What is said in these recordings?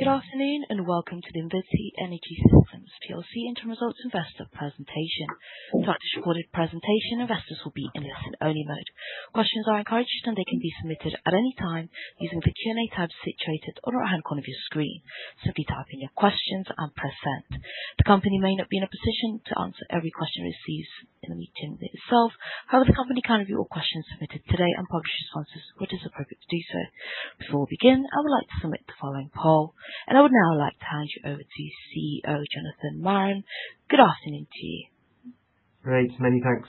Good afternoon, welcome to the Invinity Energy Systems PLC interim results investor presentation. Throughout this recorded presentation, investors will be in listen-only mode. Questions are encouraged, they can be submitted at any time using the Q&A tab situated on the right-hand corner of your screen. Simply type in your questions and press send. The company may not be in a position to answer every question received in the meeting itself. However, the company can review all questions submitted today and publish responses when it is appropriate to do so. Before we begin, I would like to submit the following poll. I would now like to hand you over to CEO, Jonathan Marren. Good afternoon to you. Great. Many thanks,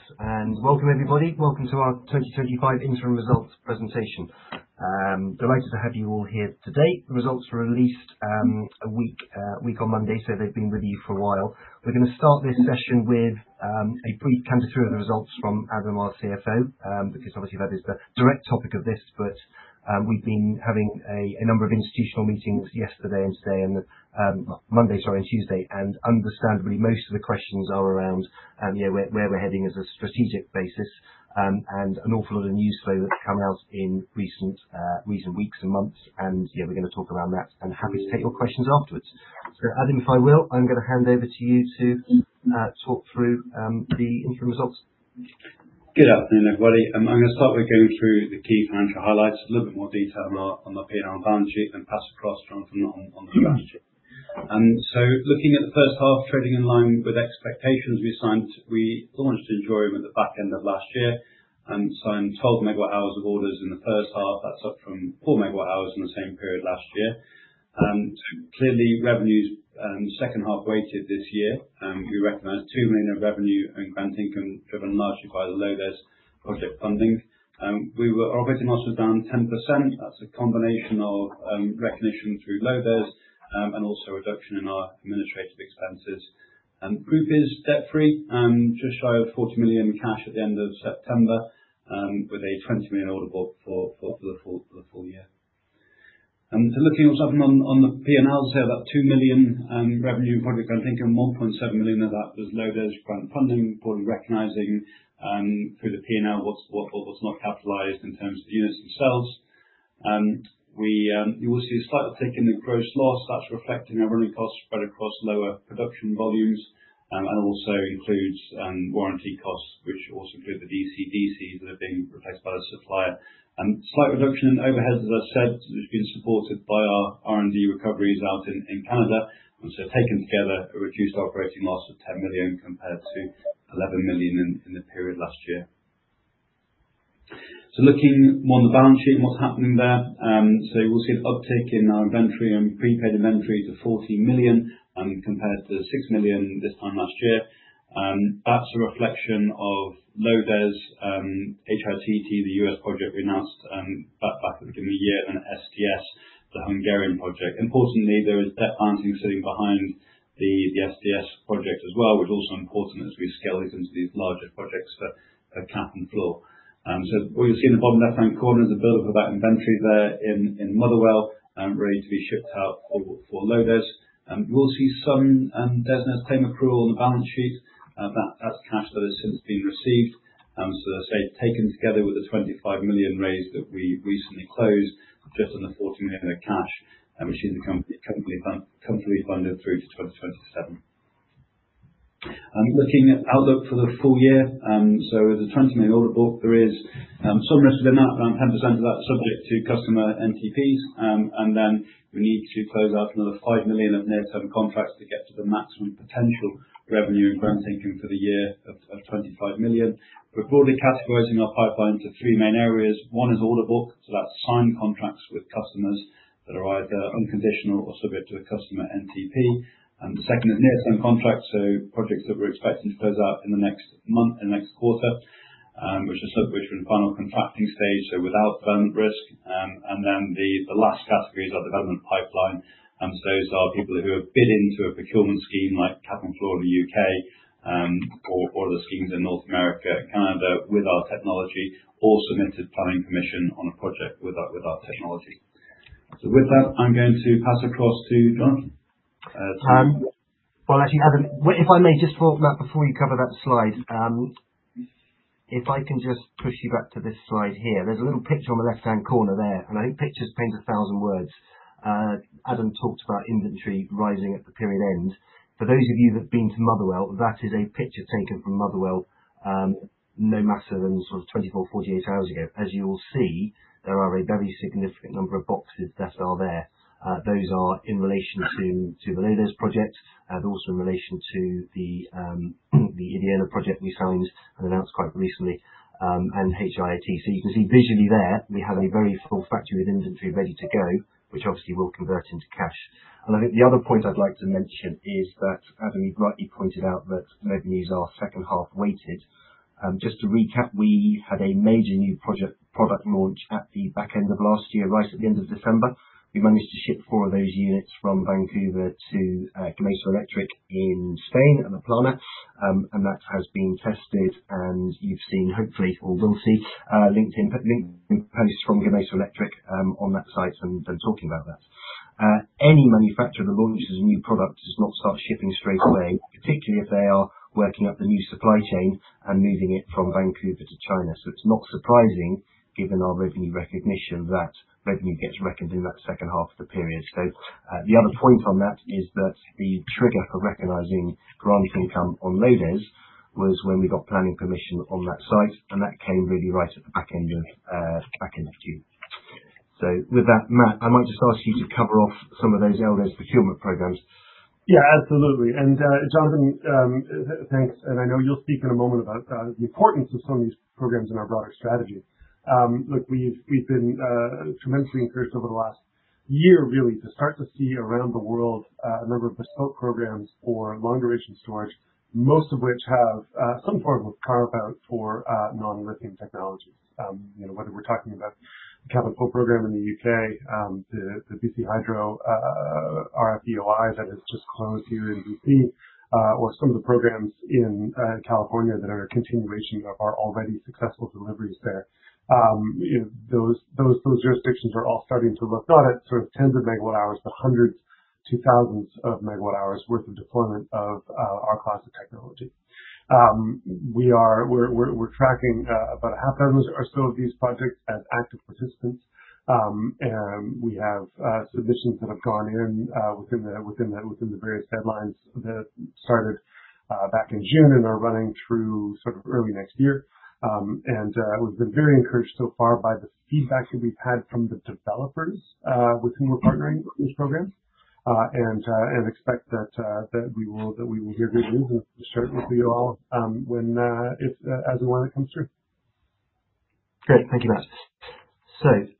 welcome everybody. Welcome to our 2025 interim results presentation. Delighted to have you all here today. The results were released a week on Monday, they've been with you for a while. We're going to start this session with a brief canter through the results from Adam, our CFO, because obviously that is the direct topic of this. We've been having a number of institutional meetings yesterday and today, Monday, sorry, and Tuesday, understandably, most of the questions are around where we're heading as a strategic basis and an awful lot of news flow that's come out in recent weeks and months. We're going to talk around that and happy to take your questions afterwards. Adam, if I will, I'm going to hand over to you to talk through the interim results. Good afternoon, everybody. I'm going to start with going through the key financial highlights in a little bit more detail on the P&L balance sheet and pass across from Jonathan on the balance sheet. Looking at the first half, trading in line with expectations we launched in January with the back end of last year. In 12 megawatt-hours of orders in the first half, that's up from 4 megawatt-hours in the same period last year. Clearly, revenues second half weighted this year. We recognized 2 million of revenue and grant income driven largely by the LODES project funding. Our operating loss was down 10%. That's a combination of recognition through LODES, a reduction in our administrative expenses. Group is debt-free, just shy of 40 million cash at the end of September, with a 20 million order book for the full year. Looking also on the P&L, about 2 million revenue and grant income, 1.7 million of that was LODES grant funding, importantly recognizing through the P&L what was not capitalized in terms of the units themselves. You will see a slight tick in the gross loss. That's reflecting our running costs spread across lower production volumes, includes warranty costs, which also include the DC-DC that are being replaced by the supplier. Slight reduction in overheads, as I said, which has been supported by our R&D recoveries out in Canada, which have taken together a reduced operating loss of 10 million compared to 11 million in the period last year. Looking more on the balance sheet and what's happening there. You will see an uptick in our inventory and prepaid inventory to 40 million compared to 6 million this time last year. That's a reflection of LODES, HITT, the U.S. project we announced back in the year, and STS, the Hungarian project. Importantly, there is debt financing sitting behind the STS project as well, which is also important as we scale these into these larger projects for Cap and Floor. What you'll see in the bottom left-hand corner is a build up of that inventory there in Motherwell, ready to be shipped out for LODES. You will see some business claim accrual on the balance sheet. That's cash that has since been received. As I say, taken together with the 25 million raised that we recently closed, just under 14 million of cash, which is the company funded through to 2027. Looking at outlook for the full year. With the 20 million order book, there is some risk in that. Around 10% of that subject to customer NTPs. We need to close out another 5 million of near-term contracts to get to the maximum potential revenue and grant income for the year of 25 million. We're broadly categorizing our pipeline into three main areas. One is order book, so that's signed contracts with customers that are either unconditional or subject to a customer NTP. The second is near-term contracts, so projects that we're expecting to close out in the next month and next quarter, which are in the final contracting stage, so without further risk. The last category is our development pipeline. Those are people who have bid into a procurement scheme like Cap and Floor in the U.K. or the schemes in North America, Canada, with our technology, or submitted planning permission on a project with our technology. With that, I'm going to pass across to Jonathan. Actually, Adam, if I may just talk about before you cover that slide. If I can just push you back to this slide here. There's a little picture on the left-hand corner there, and I think pictures paint a thousand words. Adam talked about inventory rising at the period end. For those of you that have been to Motherwell, that is a picture taken from Motherwell no more than 24, 48 hours ago. As you will see, there are a very significant number of boxes that are there. Those are in relation to the LODES project and also in relation to the Indiana project we signed and announced quite recently, and HITT. You can see visually there, we have a very full factory with inventory ready to go, which obviously will convert into cash. I think the other point I'd like to mention is that Adam, you've rightly pointed out that revenues are second half weighted. Just to recap, we had a major new product launch at the back end of last year, right at the end of December. We managed to ship four of those units from Vancouver to Gamesa Electric in Spain, Pamplona, and that has been tested, and you've seen hopefully or will see LinkedIn posts from Gamesa Electric on that site and talking about that. Any manufacturer that launches a new product does not start shipping straight away, particularly if they are working up the new supply chain and moving it from Vancouver to China. It's not surprising, given our revenue recognition, that revenue gets reckoned in that second half of the period. The other point on that is that the trigger for recognizing grant income on LODES was when we got planning permission on that site, and that came really right at the back end of Q. With that, Matt, I might just ask you to cover off some of those LODES procurement programs. Yeah, absolutely. Jonathan, thanks, and I know you'll speak in a moment about the importance of some of these programs in our broader strategy. Look, we've been tremendously encouraged over the last year really to start to see around the world a number of bespoke programs for long-duration storage, most of which have some form of carve-out for non-lithium technologies. Whether we're talking about the Cap and Floor program in the U.K., the BC Hydro RFEOI that has just closed here in B.C., or some of the programs in California that are a continuation of our already successful deliveries there. Those jurisdictions are all starting to look, not at sort of tens of megawatt hours, but hundreds to thousands of megawatt hours worth of deployment of our class of technology. We're tracking about a half dozen or so of these projects as active participants. We have submissions that have gone in within the various deadlines that started back in June and are running through early next year. We've been very encouraged so far by the feedback that we've had from the developers, with whom we're partnering these programs, and expect that we will hear good news and to share it with you all as and when it comes through. Great. Thank you, Matt.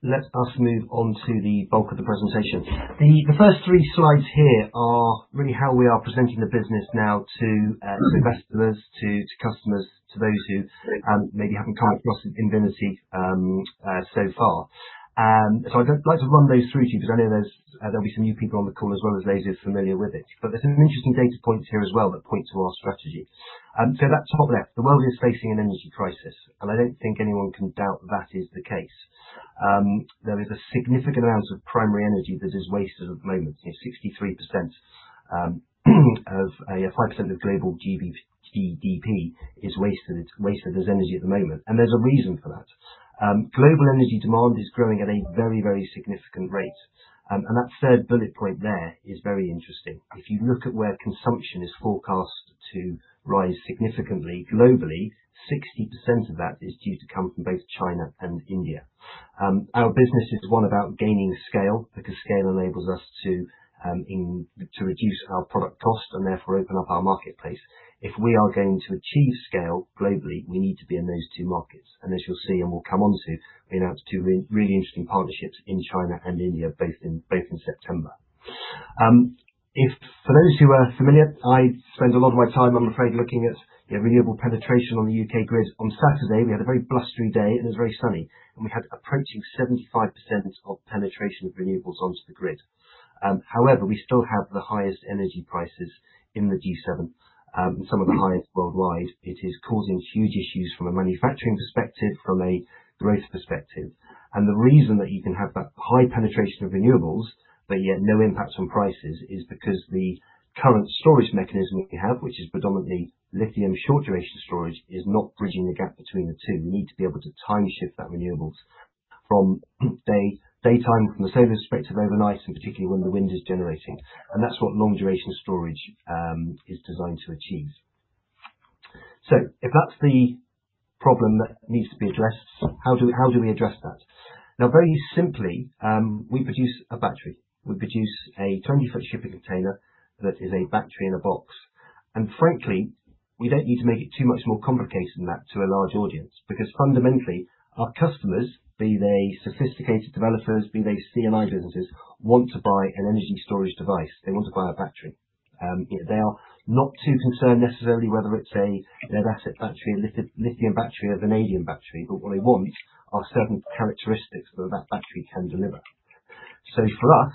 Let us move on to the bulk of the presentation. The first three slides here are really how we are presenting the business now to investors, to customers, to those who maybe haven't come across Invinity so far. I'd like to run those through to you because I know there'll be some new people on the call as well as those familiar with it. There's some interesting data points here as well that point to our strategy. That top left, the world is facing an energy crisis, and I don't think anyone can doubt that is the case. There is a significant amount of primary energy that is wasted at the moment. 63% of a 5% of global GDP is wasted. It's wasted as energy at the moment, and there's a reason for that. Global energy demand is growing at a very, very significant rate. That third bullet point there is very interesting. If you look at where consumption is forecast to rise significantly globally, 60% of that is due to come from both China and India. Our business is one about gaining scale because scale enables us to reduce our product cost and therefore open up our marketplace. If we are going to achieve scale globally, we need to be in those two markets. As you'll see and we'll come on to, we announced two really interesting partnerships in China and India, both in September. For those who are familiar, I spend a lot of my time, I'm afraid, looking at renewable penetration on the U.K. grid. On Saturday, we had a very blustery day and it was very sunny, and we had approaching 75% of penetration of renewables onto the grid. However, we still have the highest energy prices in the G7 and some of the highest worldwide. It is causing huge issues from a manufacturing perspective, from a growth perspective. The reason that you can have that high penetration of renewables but yet no impact on prices is because the current storage mechanism that we have, which is predominantly lithium short-duration storage, is not bridging the gap between the two. We need to be able to time shift that renewables from daytime, from the solar perspective, overnight, and particularly when the wind is generating. That's what long-duration storage is designed to achieve. If that's the problem that needs to be addressed, how do we address that? Very simply, we produce a battery. We produce a 20-foot shipping container that is a battery in a box. Frankly, we don't need to make it too much more complicated than that to a large audience, because fundamentally, our customers, be they sophisticated developers, be they C&I businesses, want to buy an energy storage device. They want to buy a battery. They are not too concerned, necessarily, whether it's their asset battery, a lithium battery or a vanadium battery. What they want are certain characteristics that battery can deliver. For us,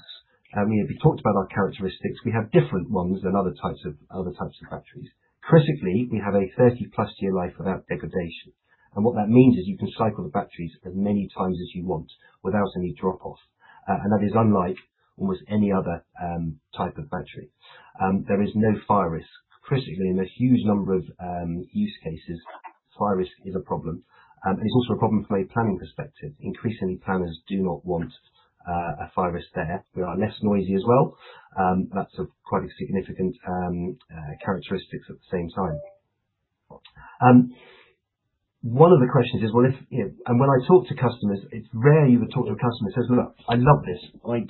if we talked about our characteristics, we have different ones than other types of batteries. Critically, we have a 30 plus year life without degradation. What that means is you can cycle the batteries as many times as you want without any drop-off. That is unlike almost any other type of battery. There is no fire risk. Critically, in a huge number of use cases, fire risk is a problem. It's also a problem from a planning perspective. Increasingly, planners do not want a fire risk there. We are less noisy as well. That's quite a significant characteristic at the same time. One of the questions is, and when I talk to customers, it's rare you would talk to a customer who says, "Look, I love this. I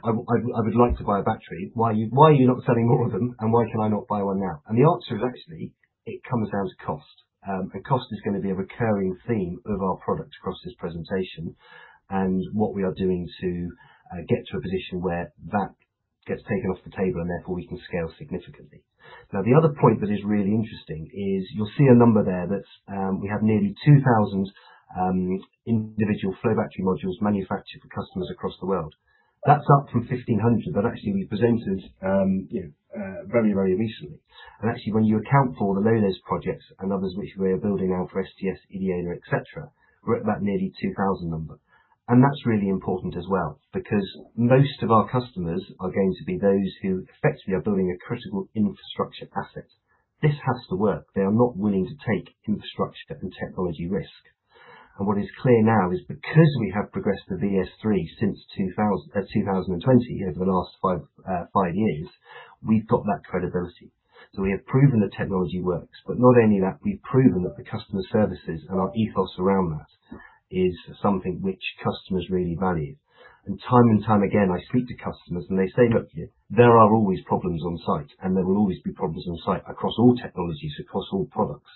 would like to buy a battery. Why are you not selling more of them, and why can I not buy one now?" The answer is, actually, it comes down to cost. Cost is going to be a recurring theme of our products across this presentation and what we are doing to get to a position where that gets taken off the table and therefore we can scale significantly. The other point that is really interesting is you'll see a number there that we have nearly 2,000 individual flow battery modules manufactured for customers across the world. That's up from 1,500 that actually we presented very, very recently. When you account for the LODES projects and others which we are building now for STS, EDANA, et cetera, we're at that nearly 2,000 number. That's really important as well because most of our customers are going to be those who effectively are building a critical infrastructure asset. This has to work. They are not willing to take infrastructure and technology risk. What is clear now is because we have progressed with VS3 since 2020, over the last five years, we've got that credibility. We have proven the technology works, but not only that, we've proven that the customer services and our ethos around that is something which customers really value. Time and time again, I speak to customers and they say, "Look, there are always problems on site, and there will always be problems on site across all technologies, across all products.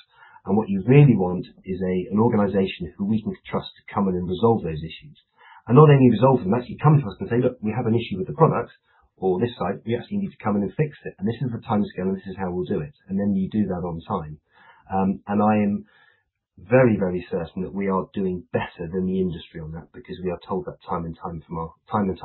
What you really want is an organization who we can trust to come in and resolve those issues." Not only resolve them, actually come to us and say, "Look, we have an issue with the product or this site, you actually need to come in and fix it. This is the timescale, and this is how we'll do it." Then you do that on time. I am very certain that we are doing better than the industry on that because we are told that time and time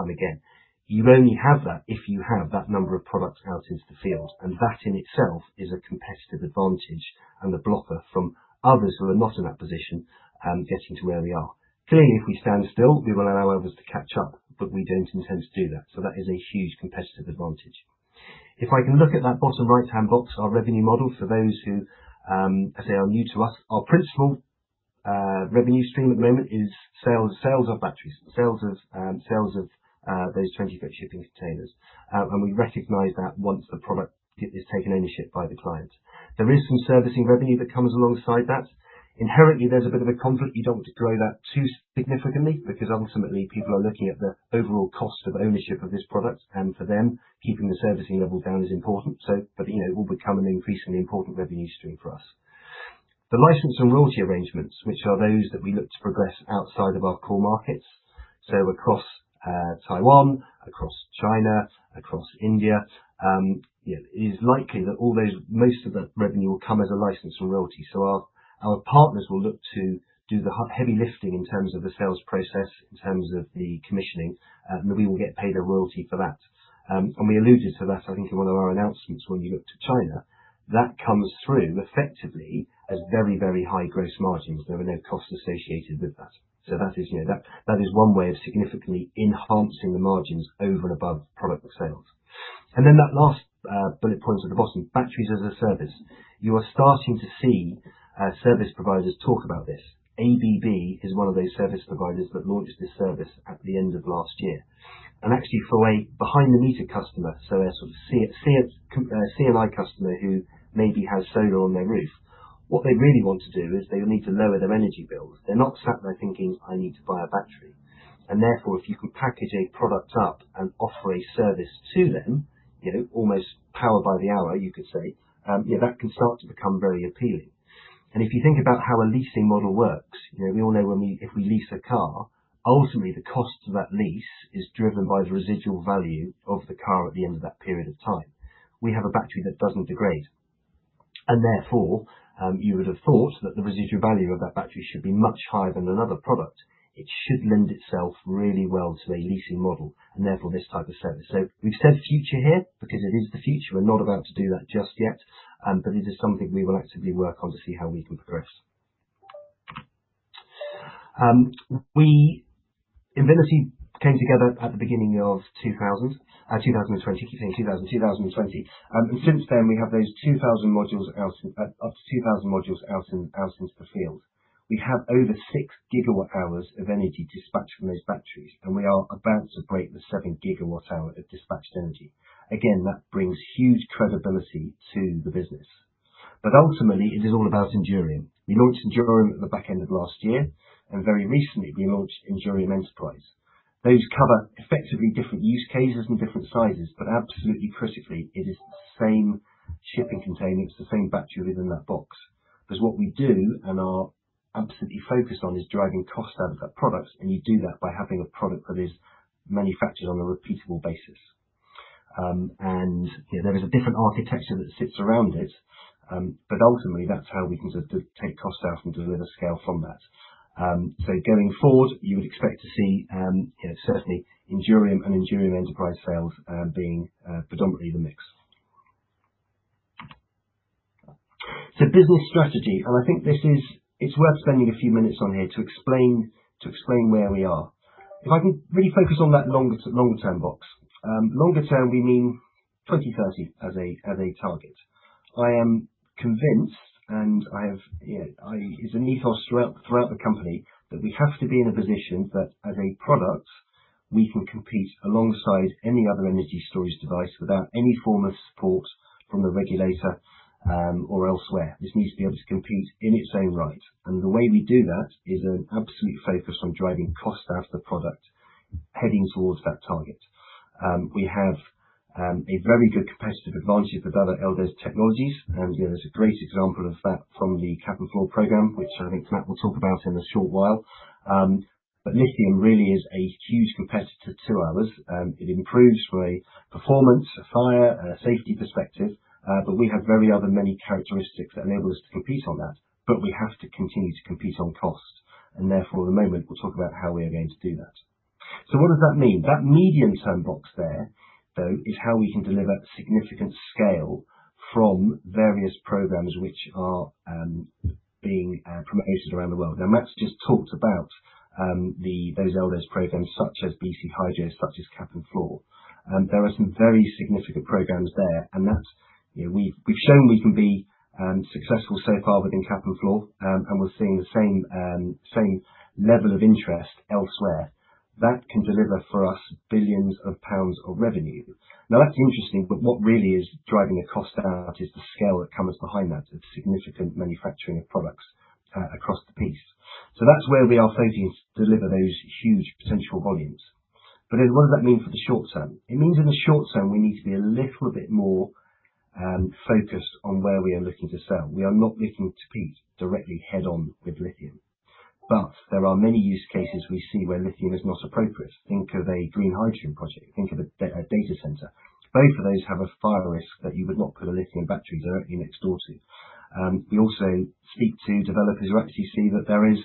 again. You only have that if you have that number of products out into the field, and that in itself is a competitive advantage and a blocker from others who are not in that position, getting to where we are. Clearly, if we stand still, we will allow others to catch up, but we don't intend to do that. That is a huge competitive advantage. If I can look at that bottom right-hand box, our revenue model for those who, I say, are new to us. Our principal revenue stream at the moment is sales of batteries, sales of those 20-foot shipping containers. We recognize that once the product is taken, initially by the client. There is some servicing revenue that comes alongside that. Inherently, there's a bit of a conflict. You don't want to grow that too significantly because ultimately people are looking at the overall cost of ownership of this product, and for them, keeping the servicing level down is important. It will become an increasingly important revenue stream for us. The license and royalty arrangements, which are those that we look to progress outside of our core markets. Across Taiwan, across China, across India, it is likely that most of the revenue will come as a license or royalty. Our partners will look to do the heavy lifting in terms of the sales process, in terms of the commissioning, and we will get paid a royalty for that. We alluded to that, I think, in one of our announcements when you looked to China. That comes through effectively as very high gross margins. There are no costs associated with that. That is one way of significantly enhancing the margins over and above product sales. That last bullet point at the bottom, Batteries as a Service. You are starting to see service providers talk about this. ABB is one of those service providers that launched this service at the end of last year and actually for a behind-the-meter customer. A sort of C&I customer who maybe has solar on their roof. What they really want to do is they need to lower their energy bills. They're not sat there thinking, "I need to buy a battery." If you can package a product up and offer a service to them, almost power by the hour, you could say, that can start to become very appealing. If you think about how a leasing model works, we all know if we lease a car, ultimately the cost of that lease is driven by the residual value of the car at the end of that period of time. We have a battery that doesn't degrade, and therefore, you would have thought that the residual value of that battery should be much higher than another product. It should lend itself really well to a leasing model and therefore this type of service. We've said future here because it is the future. We're not about to do that just yet, but this is something we will actively work on to see how we can progress. Invinity came together at the beginning of 2020. I keep saying 2000. 2020. Since then, we have those 2,000 modules out into the field. We have over six gigawatt hours of energy dispatched from those batteries, and we are about to break the seven gigawatt hour of dispatched energy. Again, that brings huge credibility to the business. Ultimately, it is all about Endurium. We launched Endurium at the back end of last year, and very recently we launched Endurium Enterprise. Those cover effectively different use cases and different sizes, but absolutely critically, it is the same shipping container. It's the same battery within that box. What we do and are absolutely focused on is driving cost out of that product, and you do that by having a product that is manufactured on a repeatable basis. There is a different architecture that sits around it, but ultimately, that's how we can take costs out and deliver scale from that. Going forward, you would expect to see, certainly Endurium and Endurium Enterprise sales being predominantly the mix. Business strategy, and I think it's worth spending a few minutes on here to explain where we are. If I can really focus on that longer term box. Longer term, we mean 2030 as a target. I am convinced, and it's an ethos throughout the company, that we have to be in a position that as a product, we can compete alongside any other energy storage device without any form of support from the regulator or elsewhere. This needs to be able to compete in its own right. The way we do that is an absolute focus on driving cost out of the product, heading towards that target. There's a great example of that from the Cap and Floor program, which I think Matt will talk about in a short while. Lithium really is a huge competitor to ours. It improves from a performance, a fire, and a safety perspective, but we have very other many characteristics that enable us to compete on that. We have to continue to compete on cost. Therefore, at the moment we'll talk about how we are going to do that. What does that mean? That medium-term box there, though, is how we can deliver significant scale from various programs which are being promoted around the world. Matt's just talked about those LDES programs such as BC Hydro, such as Cap and Floor. There are some very significant programs there. We've shown we can be successful so far within Cap and Floor. We're seeing the same level of interest elsewhere. That can deliver for us billions of GBP of revenue. That's interesting, but what really is driving the cost out is the scale that comes behind that. It's significant manufacturing of products across the piece. That's where we are focusing to deliver those huge potential volumes. What does that mean for the short term? It means in the short term, we need to be a little bit more focused on where we are looking to sell. We are not looking to compete directly head-on with lithium. There are many use cases we see where lithium is not appropriate. Think of a green hydrogen project. Think of a data center. Both of those have a fire risk that you would not put a lithium battery directly next door to. We also speak to developers who actually see that there is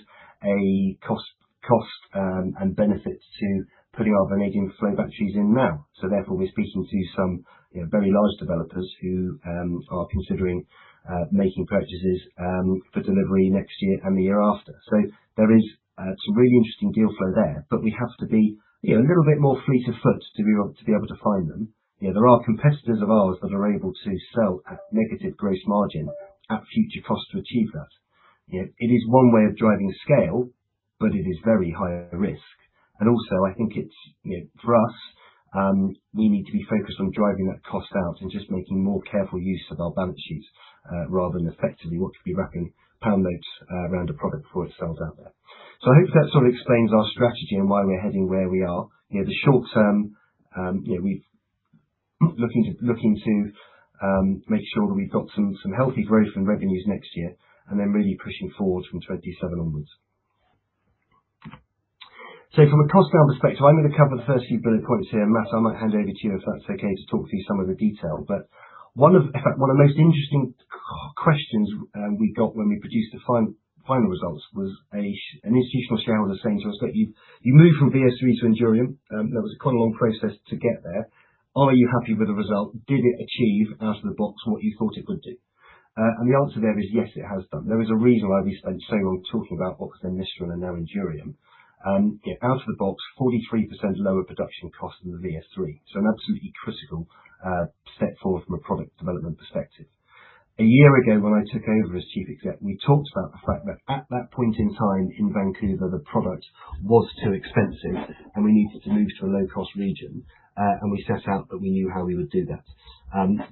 a cost and benefit to putting our vanadium flow batteries in now. Therefore, we're speaking to some very large developers who are considering making purchases for delivery next year and the year after. There is some really interesting deal flow there. We have to be a little bit more fleet of foot to be able to find them. There are competitors of ours that are able to sell at negative gross margin at future cost to achieve that. It is one way of driving scale. It is very high risk. Also, I think for us, we need to be focused on driving that cost out and just making more careful use of our balance sheets, rather than effectively what could be wrapping pound notes around a product before it sells out there. I hope that sort of explains our strategy and why we're heading where we are. The short term, looking to make sure that we've got some healthy growth and revenues next year. Then really pushing forwards from 2027 onwards. From a cost down perspective, I'm going to cover the first few bullet points here. Matt, I might hand over to you, if that's okay, to talk through some of the detail. One of the most interesting questions we got when we produced the final results was an institutional shareholder saying to us, "Look, you moved from VS3 to Endurium. That was quite a long process to get there. Are you happy with the result? Did it achieve out of the box what you thought it would do?" The answer there is yes, it has done. There is a reason I've spent so long talking about Boxthorn, Mistral, and now Endurium. Out of the box, 43% lower production cost than the VS3. An absolutely critical step forward from a product development perspective. A year ago, when I took over as chief executive, we talked about the fact that at that point in time in Vancouver, the product was too expensive and we needed to move to a low-cost region. We set out that we knew how we would do that.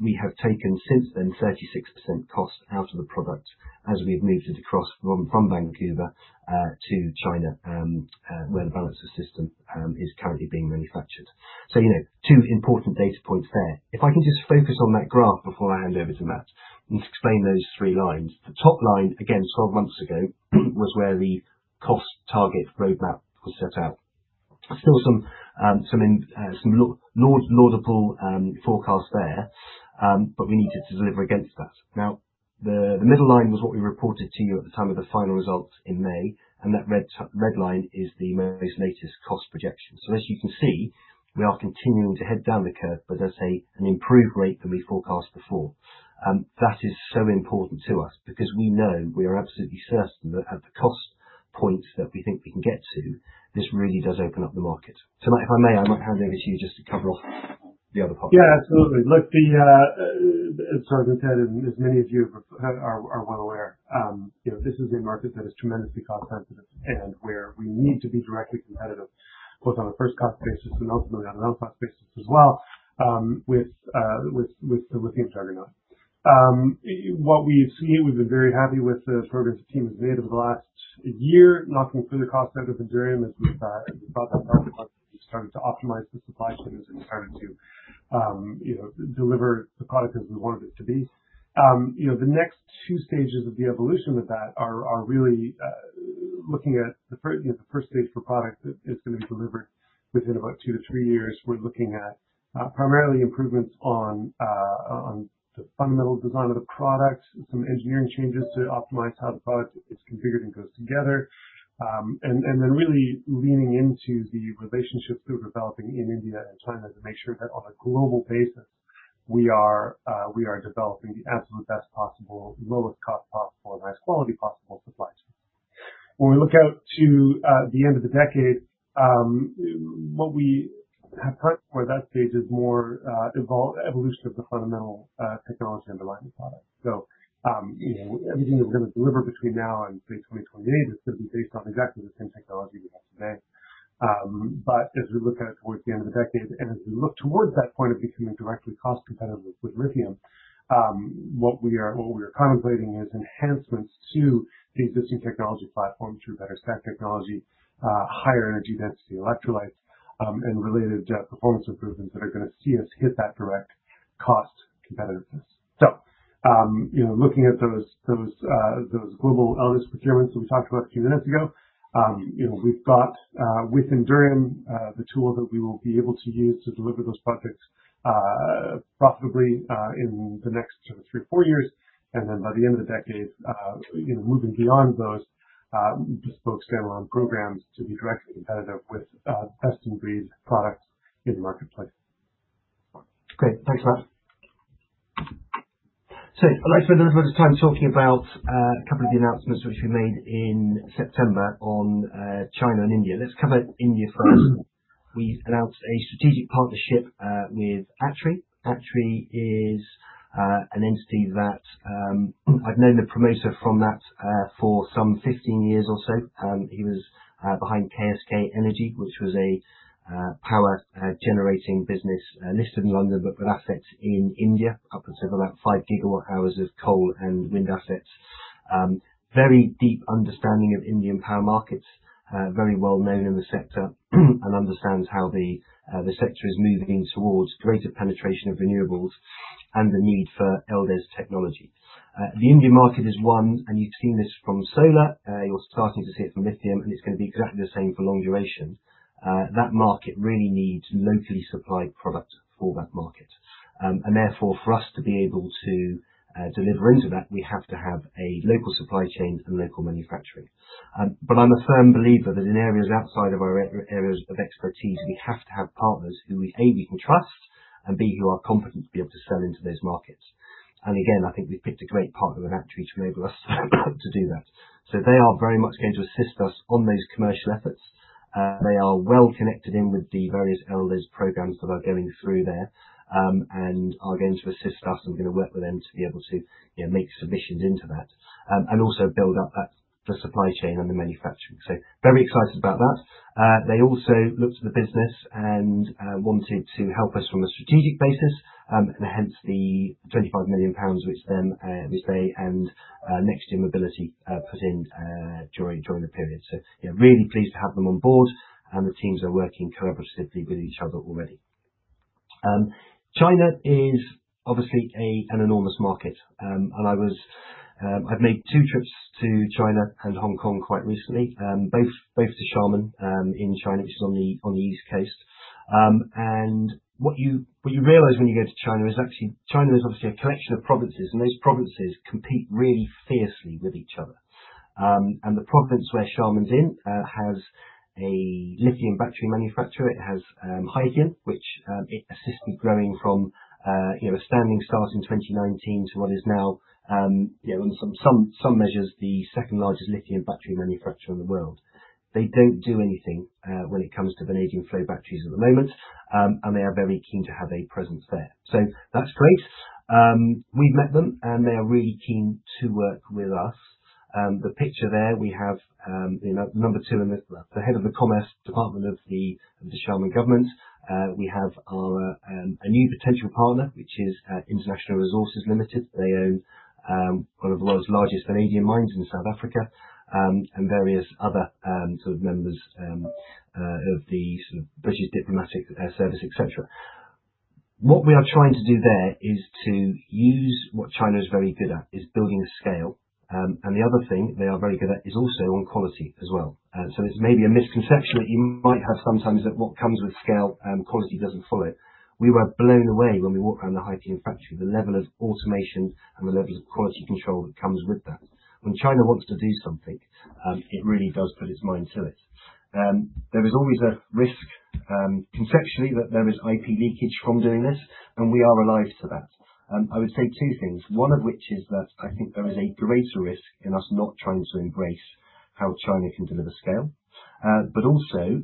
We have taken, since then, 36% cost out of the product as we've moved it across from Vancouver to China, where the balancer system is currently being manufactured. Two important data points there. If I can just focus on that graph before I hand over to Matt and explain those three lines. The top line, again, 12 months ago, was where the cost target roadmap was set out. Still some laudable forecast there, but we needed to deliver against that. The middle line was what we reported to you at the time of the final results in May, and that red line is the most latest cost projection. As you can see, we are continuing to head down the curve, but as I say, an improved rate than we forecast before. That is so important to us because we know, we are absolutely certain that at the cost points that we think we can get to, this really does open up the market. Matt, if I may, I might hand over to you just to cover off the other part. Absolutely. Look, as Jonathan said, and as many of you are well aware, this is a market that is tremendously cost sensitive and where we need to be directly competitive, both on a first cost basis and ultimately on an own cost basis as well, with the lithium technology. What we see, we've been very happy with the progress the team has made over the last year, knocking through the cost out of Endurium as we've brought that product up, starting to optimize the supply chains and starting to deliver the product as we want it to be. The next 2 stages of the evolution with that are really looking at the first stage for product that is going to be delivered within about two to three years. We're looking at primarily improvements on the fundamental design of the product, some engineering changes to optimize how the product is configured and goes together, and then really leaning into the relationships we're developing in India and China to make sure that on a global basis, we are developing the absolute best possible, lowest cost possible, and highest quality possible supply chain. When we look out to the end of the decade, what we have planned for that stage is more evolution of the fundamental technology underlying the product. Everything that we're going to deliver between now and say 2028 is going to be based on exactly the same technology we have today. As we look at it towards the end of the decade, and as we look towards that point of becoming directly cost competitive with lithium, what we are contemplating is enhancements to the existing technology platform through better stack technology, higher energy density electrolytes, and related performance improvements that are going to see us hit that direct cost competitiveness. Looking at those global LDES procurements that we talked about a few minutes ago, we've got with Endurium, the tool that we will be able to use to deliver those projects profitably in the next three or four years, and then by the end of the decade, moving beyond those bespoke standalone programs to be directly competitive with best-in-breed products in the marketplace. Great. Thanks, Matt. I'd like to spend a little bit of time talking about a couple of the announcements which we made in September on China and India. Let's cover India first. We've announced a strategic partnership with Atri. Atri is an entity that I've known the promoter from that for some 15 years or so. He was behind KSK Energy, which was a power generating business listed in London, but with assets in India, up and over about five gigawatt-hours of coal and wind assets. Very deep understanding of Indian power markets, very well known in the sector, and understands how the sector is moving towards greater penetration of renewables and the need for LDES technology. The Indian market is one, and you've seen this from solar, you're starting to see it from lithium, and it's going to be exactly the same for long duration. That market really needs locally supplied product for that market. Therefore, for us to be able to deliver into that, we have to have a local supply chain and local manufacturing. I'm a firm believer that in areas outside of our areas of expertise, we have to have partners who, A, we can trust and B, who are competent to be able to sell into those markets. Again, I think we've picked a great partner in Atri to enable us to do that. They are very much going to assist us on those commercial efforts. They are well connected in with the various LDES programs that are going through there, and are going to assist us and we're going to work with them to be able to make submissions into that, and also build up the supply chain and the manufacturing. Very excited about that. They also looked at the business and wanted to help us from a strategic basis, hence the 25 million pounds, which they and Next Gen Mobility put in during the period. Yeah, really pleased to have them on board, and the teams are working collaboratively with each other already. China is obviously an enormous market. I've made two trips to China and Hong Kong quite recently, both to Xiamen in China, just on the east coast. What you realize when you go to China is actually China is obviously a collection of provinces, and those provinces compete really fiercely with each other. The province where Xiamen's in has a lithium battery manufacturer. It has CATL, which it assisted growing from a standing start in 2019 to what is now, on some measures, the second largest lithium battery manufacturer in the world. They don't do anything when it comes to vanadium flow batteries at the moment, They are very keen to have a presence there. That's great. We've met them, They are really keen to work with us. The picture there, we have the head of the commerce department of the Xiamen government. We have a new potential partner, which is International Resources Limited. They own one of the world's largest vanadium mines in South Africa, and various other members of the U.K. diplomatic service, et cetera. What we are trying to do there is to use what China is very good at, is building a scale. The other thing they are very good at is also on quality as well. It's maybe a misconception that you might have sometimes that what comes with scale, quality doesn't follow. We were blown away when we walked around the CATL factory, the level of automation and the level of quality control that comes with that. When China wants to do something, it really does put its mind to it. There is always a risk, conceptually, that there is IP leakage from doing this, We are alive to that. I would say two things, one of which is that I think there is a greater risk in us not trying to embrace how China can deliver scale. Also,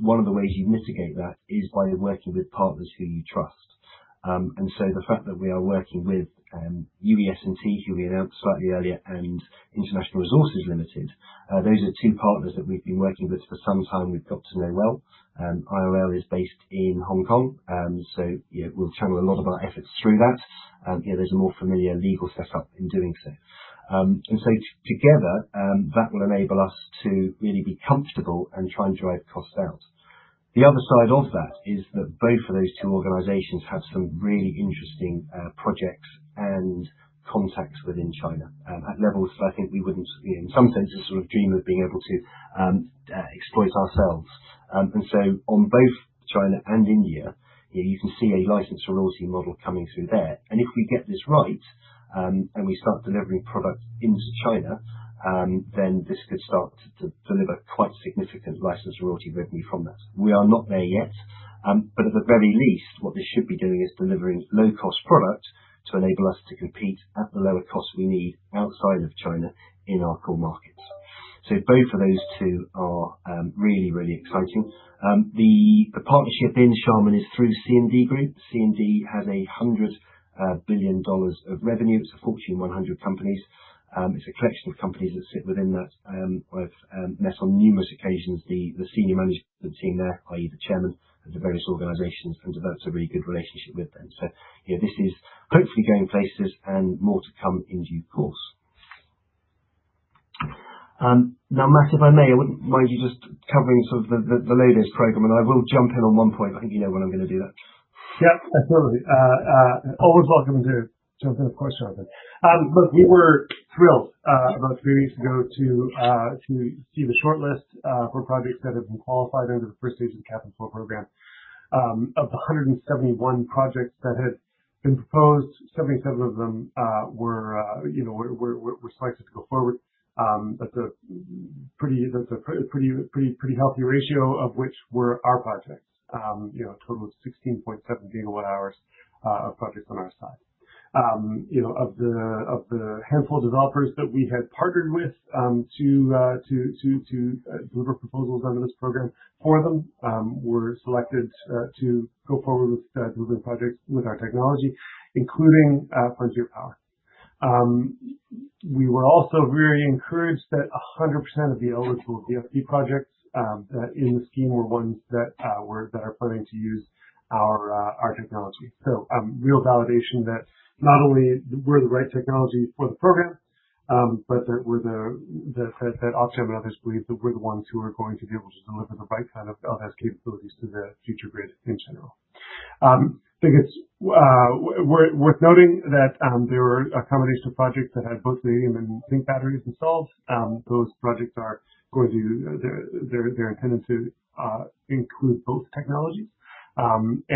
one of the ways you mitigate that is by working with partners who you trust. The fact that we are working with UE S&T, who we announced slightly earlier, and International Resources Limited, those are two partners that we've been working with for some time, we've got to know well. IRL is based in Hong Kong, We'll channel a lot of our efforts through that. There's a more familiar legal set up in doing so. Together, that will enable us to really be comfortable and try and drive costs out. The other side of that is that both of those two organizations have some really interesting projects and contacts within China, at levels that I think we wouldn't, in some senses, dream of being able to exploit ourselves. On both China and India, you can see a license royalty model coming through there. If we get this right, and we start delivering product into China, This could start to deliver quite significant license royalty revenue from that. We are not there yet. At the very least, what this should be doing is delivering low-cost product to enable us to compete at the lower cost we need outside of China in our core markets. Both of those two are really, really exciting. The partnership in Xiamen is through C&D Group. C&D has $100 billion of revenue. It's a Fortune 100 company. It's a collection of companies that sit within that. I've met on numerous occasions, the senior management team there, i.e., the chairman of the various organizations, and developed a really good relationship with them. This is hopefully going places and more to come in due course. Now, Matt, if I may, I wouldn't mind you just covering the latest program, and I will jump in on one point. I think you know when I'm going to do that. Absolutely. Always welcome to jump in, of course, Jonathan. We were thrilled about 3 weeks ago to see the shortlist for projects that have been qualified under the first stage of the Cap and Floor program. Of the 171 projects that had been proposed, 77 of them were selected to go forward. That's a pretty healthy ratio of which were our projects. A total of 16.7 gigawatt hours of projects on our side. Of the handful of developers that we had partnered with to deliver proposals under this program for them were selected to go forward with delivering projects with our technology, including Frontier Power. We were also very encouraged that 100% of the eligible DfT projects that in the scheme were ones that are planning to use our technology. Real validation that not only we're the right technology for the program, but that Ofgem and others believe that we're the ones who are going to be able to deliver the right kind of LDES capabilities to the future grid in general. I think it's worth noting that there were a combination of projects that had both vanadium and zinc batteries installed. They're intended to include both technologies. We're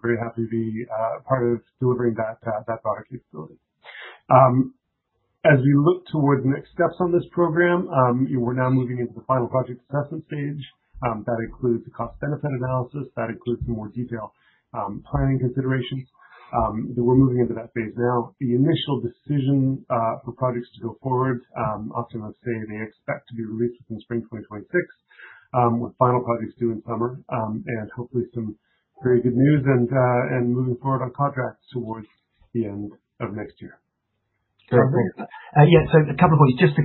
very happy to be a part of delivering that product capability. As we look toward next steps on this program, we're now moving into the final project assessment stage. That includes a cost-benefit analysis, that includes some more detailed planning considerations, that we're moving into that phase now. The initial decision for projects to go forward, Ofgem have said they expect to be released within spring 2026, with final projects due in summer, hopefully some very good news and moving forward on contracts towards the end of next year. A couple of points. Just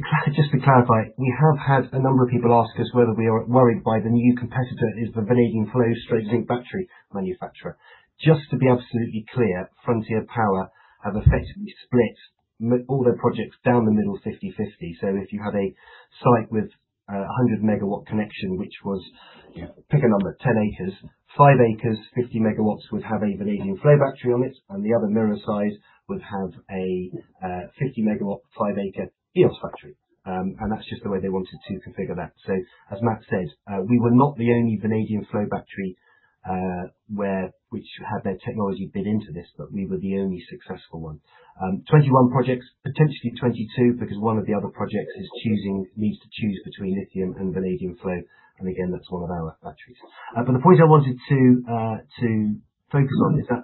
to clarify, we have had a number of people ask us whether we are worried by the new competitor, who's the vanadium flow/zinc battery manufacturer. Just to be absolutely clear, Frontier Power have effectively split all their projects down the middle, 50/50. If you had a site with 100 MW connection, which was, pick a number, 10 acres, 5 acres, 50 MW would have a vanadium flow battery on it, and the other mirror site would have a 50 MW, 5-acre Eos battery. That's just the way they wanted to configure that. As Matt said, we were not the only vanadium flow battery, which had their technology bid into this, but we were the only successful one. 21 projects, potentially 22, because one of the other projects needs to choose between lithium and vanadium flow, and again, that's one of our batteries. The point I wanted to focus on is that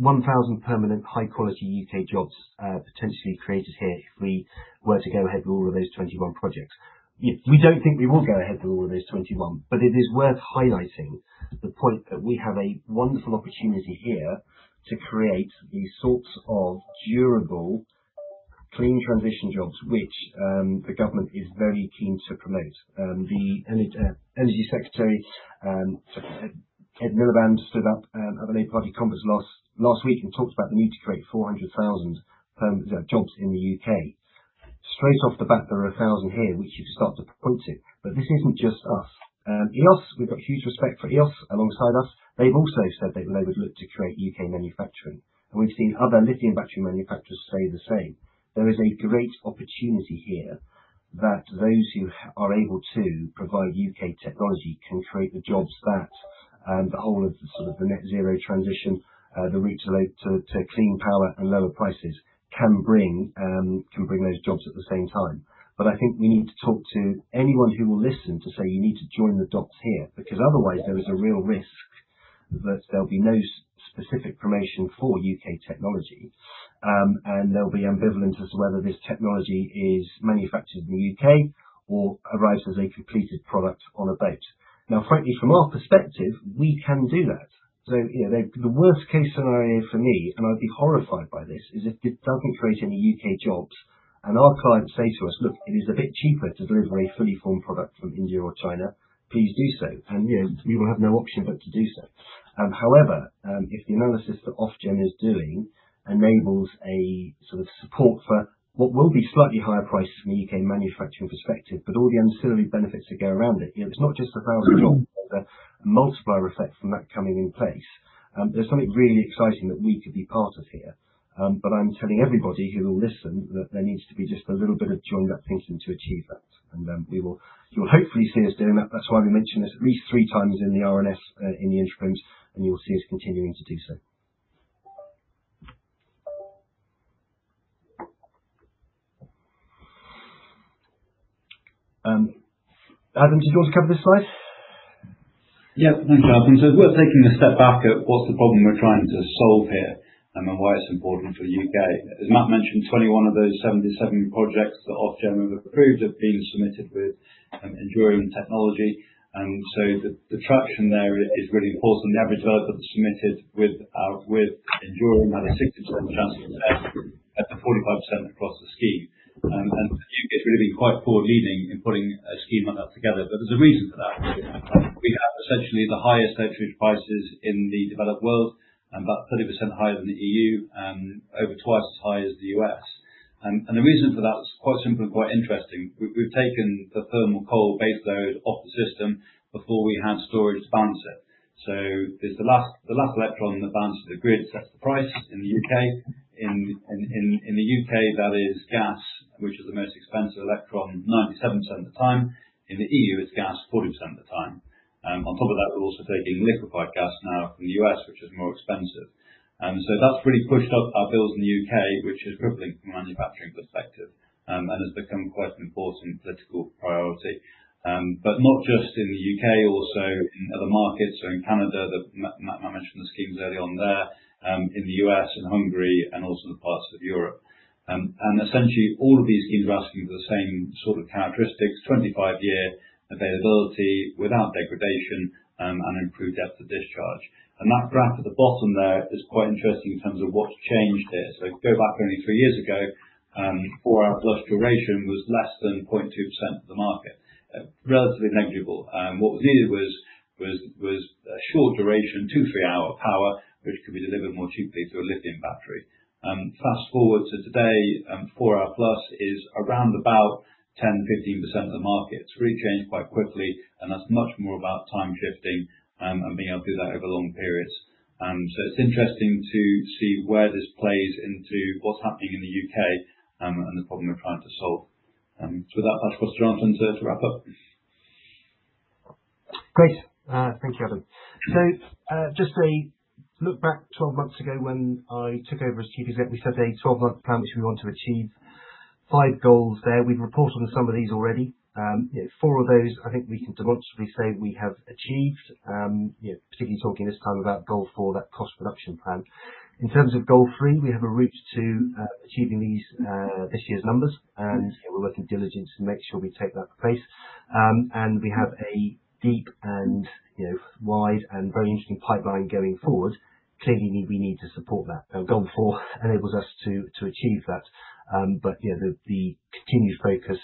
1,000 permanent high-quality U.K. jobs potentially created here if we were to go ahead with all of those 21 projects. We don't think we will go ahead with all of those 21, but it is worth highlighting the point that we have a wonderful opportunity here to create these sorts of durable, clean transition jobs, which the government is very keen to promote. The Energy Secretary, Ed Miliband, stood up at a Labour Party conference last week and talked about the need to create 400,000 permanent jobs in the U.K. Straight off the bat, there are 1,000 here which you can start to point to. This isn't just us. Eos, we've got huge respect for Eos alongside us. They've also said they would look to create U.K. manufacturing, and we've seen other lithium battery manufacturers say the same. There is a great opportunity here that those who are able to provide U.K. technology can create the jobs that the whole of the net zero transition, the route to clean power and lower prices can bring those jobs at the same time. I think we need to talk to anyone who will listen to say you need to join the dots here, because otherwise, there is a real risk that there'll be no specific promotion for U.K. technology. There'll be ambivalence as to whether this technology is manufactured in the U.K. or arrives as a completed product on a boat. Frankly, from our perspective, we can do that. The worst case scenario for me, and I'd be horrified by this, is if it doesn't create any U.K. jobs and our clients say to us, "Look, it is a bit cheaper to deliver a fully formed product from India or China, please do so." We will have no option but to do so. However, if the analysis that Ofgem is doing enables a sort of support for what will be slightly higher prices from a U.K. manufacturing perspective, but all the ancillary benefits that go around it. It's not just 1,000 jobs, there's a multiplier effect from that coming in place. There's something really exciting that we could be part of here. I'm telling everybody who will listen that there needs to be just a little bit of joined-up thinking to achieve that, you will hopefully see us doing that. That's why we mention this at least three times in the RNS in the interims. You will see us continuing to do so. Adam, did you want to cover this slide? Yeah. Thank you, Adam. It's worth taking a step back at what's the problem we're trying to solve here and why it's important for the U.K. As Matt mentioned, 21 of those 77 projects that Ofgem have approved have been submitted with Endurium technology. The traction there is really important. The average project submitted with Endurium had a 60% chance of success at 45% across the scheme. The U.K.'s really been quite forward-leaning in putting a scheme like that together. There's a reason for that. We have essentially the highest electricity prices in the developed world, about 30% higher than the EU and over twice as high as the U.S. The reason for that is quite simple, quite interesting. We've taken the thermal coal base load off the system before we had storage to balance it. The last electron in the balance of the grid sets the price in the U.K. In the U.K., that is gas, which is the most expensive electron 97% of the time. In the EU, it's gas 40% of the time. On top of that, we're also taking liquified gas now from the U.S., which is more expensive. That's really pushed up our bills in the U.K., which is rippling from a manufacturing perspective, and has become quite an important political priority. Not just in the U.K., also in other markets, so in Canada, Matt mentioned the schemes early on there, in the U.S. and Hungary and also in parts of Europe. Essentially all of these schemes are asking for the same sort of characteristics, 25-year availability without degradation, and improved depth of discharge. That graph at the bottom there is quite interesting in terms of what's changed here. Go back only three years ago, four-hour plus duration was less than 0.2% of the market. Relatively negligible. What was needed was a short duration, two to three-hour power, which could be delivered more cheaply through a lithium battery. Fast-forward to today, four-hour plus is around about 10, 15% of the market. It's really changed quite quickly, and that's much more about time shifting, and being able to do that over long periods. It's interesting to see where this plays into what's happening in the U.K., and the problem we're trying to solve. With that, I'll pass to Jonathan to wrap up. Great. Thank you, Evan. Just a look back 12 months ago when I took over as Chief Exec, we set a 12-month plan, which we want to achieve five goals there. We've reported on some of these already. Four of those, I think we can demonstrably say we have achieved, particularly talking this time about goal four, that cost reduction plan. In terms of goal three, we have a route to achieving these, this year's numbers, and we're working diligently to make sure we take that pace. We have a deep and wide and very interesting pipeline going forward. Clearly, we need to support that. Goal four enables us to achieve that. The continued focus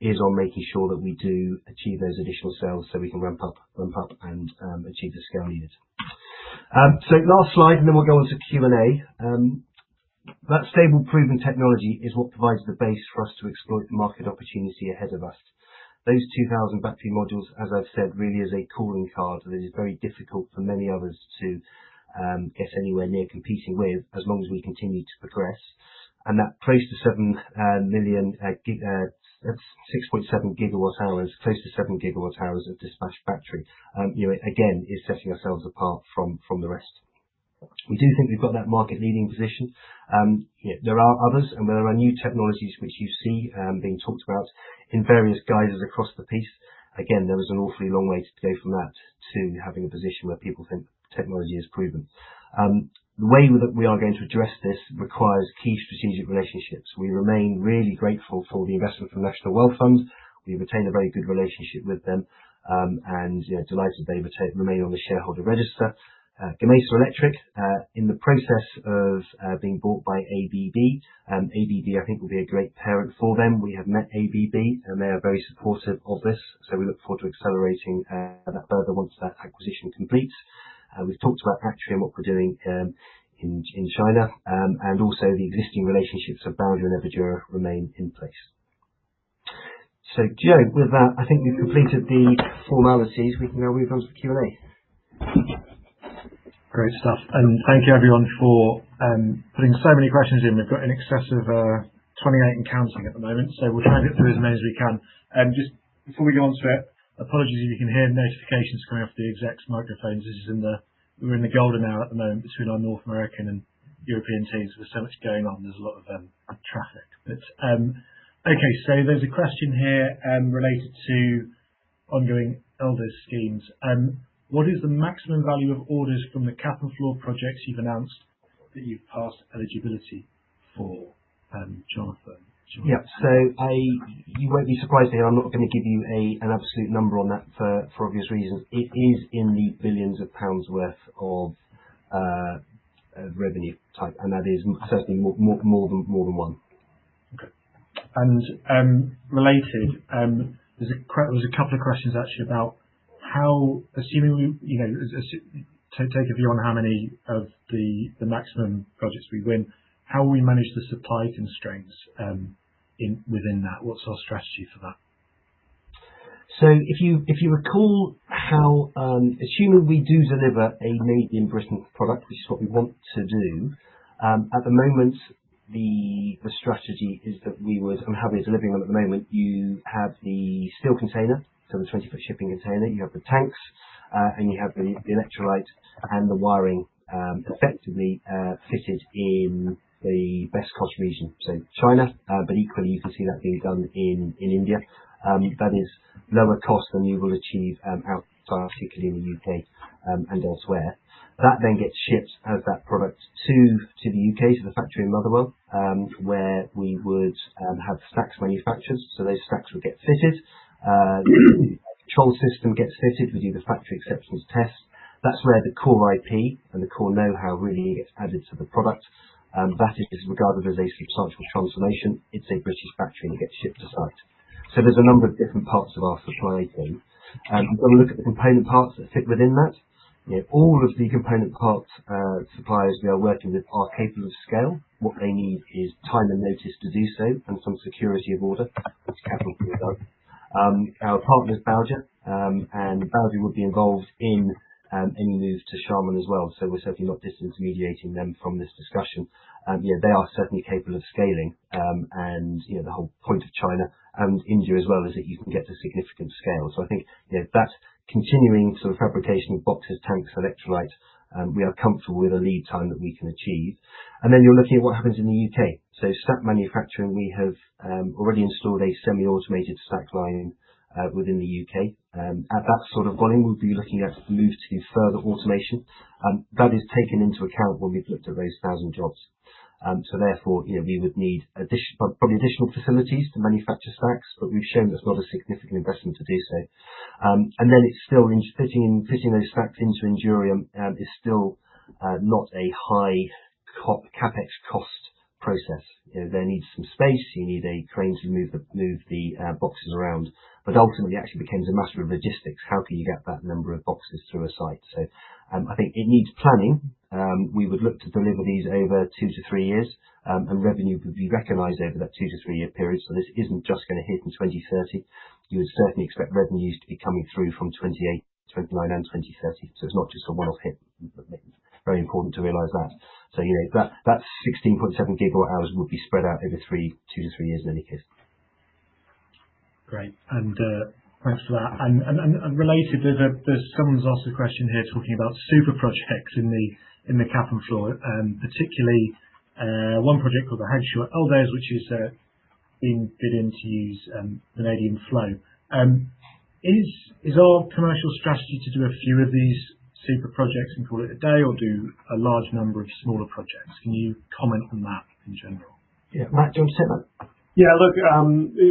is on making sure that we do achieve those additional sales so we can ramp up and achieve the scale we need. Last slide, and then we'll go onto Q&A. That stable, proven technology is what provides the base for us to exploit the market opportunity ahead of us. Those 2,000 battery modules, as I've said, really is a calling card that is very difficult for many others to get anywhere near competing with, as long as we continue to progress. That close to 7 million, 6.7 GWh, close to seven GWh of dispatched battery, again, is setting ourselves apart from the rest. We do think we've got that market-leading position. There are others, and where there are new technologies which you see being talked about in various guises across the piece, again, there is an awfully long way to go from that to having a position where people think technology is proven. The way that we are going to address this requires key strategic relationships. We remain really grateful for the investment from the National Wealth Fund. We've retained a very good relationship with them, and delighted they remain on the shareholder register. Gamesa Electric, in the process of being bought by ABB. ABB, I think, will be a great parent for them. We have met ABB, and they are very supportive of this, so we look forward to accelerating that further once that acquisition completes. We've talked about actually what we're doing in China, and also the existing relationships of Boundary and Everdura remain in place. Joe, with that, I think we've completed the formalities. We can now move on to Q&A. Great stuff. Thank you, everyone, for putting so many questions in. We've got in excess of 28 and counting at the moment, so we'll try to get through as many as we can. Just before we go on to it, apologies if you can hear notifications coming off the Exec's microphones. We're in the golden hour at the moment between our North American and European teams. There's so much going on. There's a lot of traffic. Okay. There's a question here related to ongoing LDES schemes. What is the maximum value of orders from the Cap and Floor projects you've announced that you've passed eligibility for? Jonathan. Yeah. You won't be surprised to hear I'm not going to give you an absolute number on that for obvious reasons. It is in the billions of GBP worth of revenue type, and that is certainly more than one. Okay. Related, there's a couple of questions actually about how, assuming you take a view on how many of the maximum projects we win, how will we manage the supply constraints within that? What's our strategy for that? If you recall how, assuming we do deliver a made in Britain product, which is what we want to do, at the moment, the strategy is that we would and have it as a living one at the moment. You have the steel container, so the 20-foot shipping container. You have the tanks, and you have the electrolyte and the wiring, effectively, fitted in the best cost region. China, but equally, you can see that being done in India. That is lower cost than you will achieve outside, particularly in the U.K., and elsewhere. That then gets shipped as that product to the U.K., to the factory in Motherwell, where we would have stacks manufactured. Those stacks would get fitted. Control system gets fitted. We do the factory acceptance test. That's where the core IP and the core know-how really gets added to the product. That is regarded as a substantial transformation. It's a British factory and gets shipped to site. There's a number of different parts of our supply chain. If you want to look at the component parts that fit within that, all of the component part suppliers we are working with are capable of scale. What they need is time and notice to do so and some security of order, which capital can provide. Our partner is Belger, and Belger would be involved in any news to Sharman as well. We're certainly not disintermediating them from this discussion. They are certainly capable of scaling, and the whole point of China and India as well is that you can get to significant scale. I think that continuing sort of fabrication of boxes, tanks, electrolytes, we are comfortable with the lead time that we can achieve. You're looking at what happens in the U.K. Stack manufacturing, we have already installed a semi-automated stack line within the U.K. At that sort of volume, we'd be looking at moves to further automation. That is taken into account when we've looked at those 1,000 jobs. Therefore, we would need probably additional facilities to manufacture stacks, but we've shown that's not a significant investment to do so. It's still fitting those stacks into Invinity is still not a high CapEx cost process. They need some space. You need a crane to move the boxes around. Ultimately, actually, it becomes a matter of logistics. How can you get that number of boxes through a site? I think it needs planning. We would look to deliver these over two to three years, and revenue would be recognized over that two to three-year period. This isn't just going to hit in 2030. You would certainly expect revenues to be coming through from 2028, 2029, and 2030. It's not just a one-off hit. Very important to realize that. That 16.7 GWh would be spread out over two to three years in any case. Great. Thanks for that. Related, someone's asked a question here talking about super projects in the Cap and Floor, particularly one project called the Hagshaw LDES, which is being bid in to use vanadium flow. Is our commercial strategy to do a few of these super projects and call it a day or do a large number of smaller projects? Can you comment on that in general? Yeah. Matt, do you want to take that? Yeah. Look,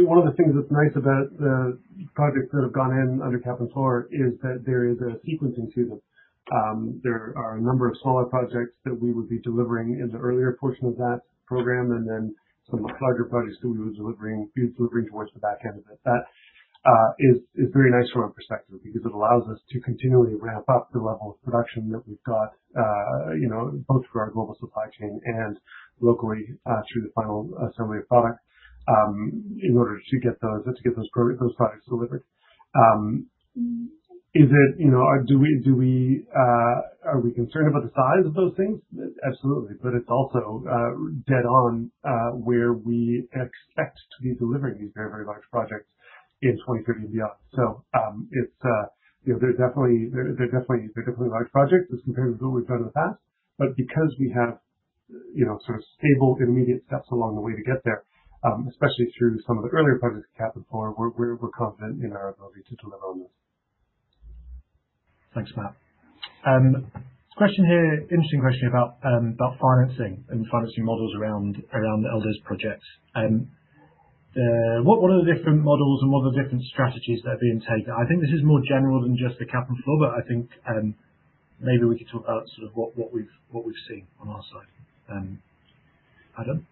one of the things that's nice about the projects that have gone in under Cap and Floor is that there is a sequencing to them. There are a number of smaller projects that we would be delivering in the earlier portion of that program, and then some larger projects that we would be delivering towards the back end of it. That is very nice from our perspective because it allows us to continually ramp up the level of production that we've got, both for our global supply chain and locally through the final assembly of product in order to get those products delivered. Are we concerned about the size of those things? Absolutely. It's also dead on where we expect to be delivering these very, very large projects in 2030 and beyond. They're definitely large projects as compared to what we've done in the past. Because we have stable, immediate steps along the way to get there, especially through some of the earlier projects with Cap and Floor, we're confident in our ability to deliver on this. Thanks, Matt. There's a question here, interesting question about financing and financing models around LDES projects. What are the different models and what are the different strategies that are being taken? I think this is more general than just the Cap and Floor, I think maybe we could talk about sort of what we've seen on our side. Adam?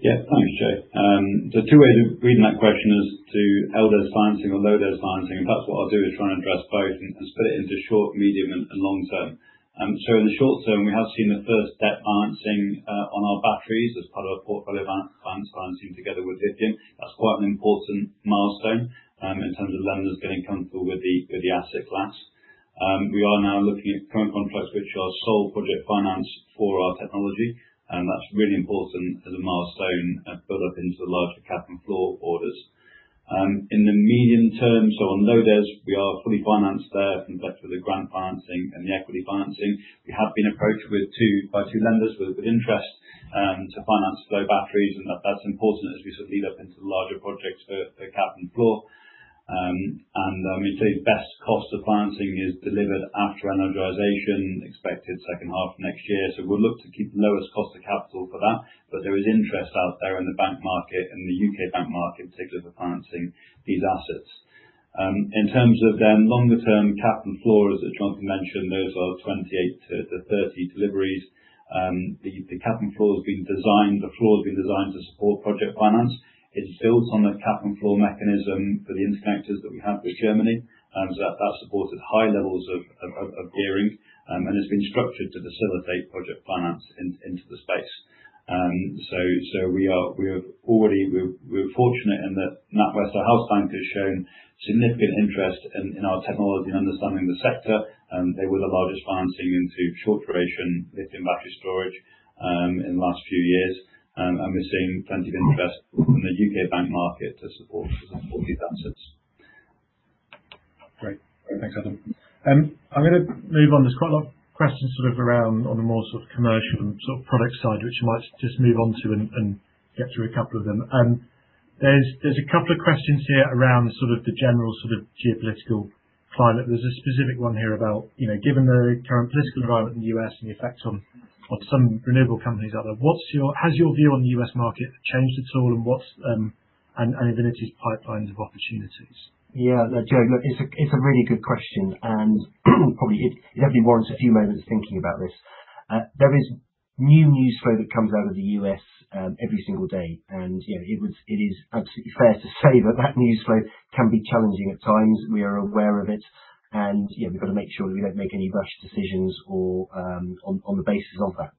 Yeah. Thanks, Joe. Two ways of reading that question is to LDES financing or low DES financing, and that's what I'll do, is try and address both and split it into short, medium, and long term. In the short term, we have seen the first debt financing on our batteries as part of a portfolio advance financing together with lithium. That's quite an important milestone in terms of lenders getting comfortable with the asset class. We are now looking at current contracts which are sole project finance for our technology, and that's really important as a milestone build up into the larger Cap and Floor orders. In the medium term, on low DES, we are fully financed there thanks to the grant financing and the equity financing. We have been approached by two lenders with interest to finance flow batteries. That's important as we lead up into the larger projects for Cap and Floor. I'm going to say best cost of financing is delivered after energization, expected second half of next year. We'll look to keep the lowest cost of capital for that. There is interest out there in the bank market and the U.K. bank market, particularly for financing these assets. In terms of longer term Cap and Floor, as Jonathan mentioned, those are 2028 to 2030 deliveries. The Cap and Floor has been designed, the floor has been designed to support project finance. It builds on the Cap and Floor mechanism for the interconnectors that we have with Germany, as that supported high levels of gearing and has been structured to facilitate project finance into the space. We're fortunate in that NatWest, our house bank, has shown significant interest in our technology and understanding the sector. They were the largest financing into short duration lithium battery storage in the last few years. We're seeing plenty of interest from the U.K. bank market to support these assets. Great. Thanks, Adam. I'm going to move on. There's quite a lot of questions around on the more commercial and product side, which I might just move on to and get through a couple of them. There's a couple of questions here around the general geopolitical climate. There's a specific one here about, given the current political environment in the U.S. and the effect on some renewable companies out there, has your view on the U.S. market changed at all, and Invinity's pipelines of opportunities? Yeah. Joe, look, it's a really good question. Probably it only warrants a few moments thinking about this. There is new news flow that comes out of the U.S. every single day. It is absolutely fair to say that that news flow can be challenging at times. We are aware of it. We've got to make sure that we don't make any rushed decisions on the basis of that.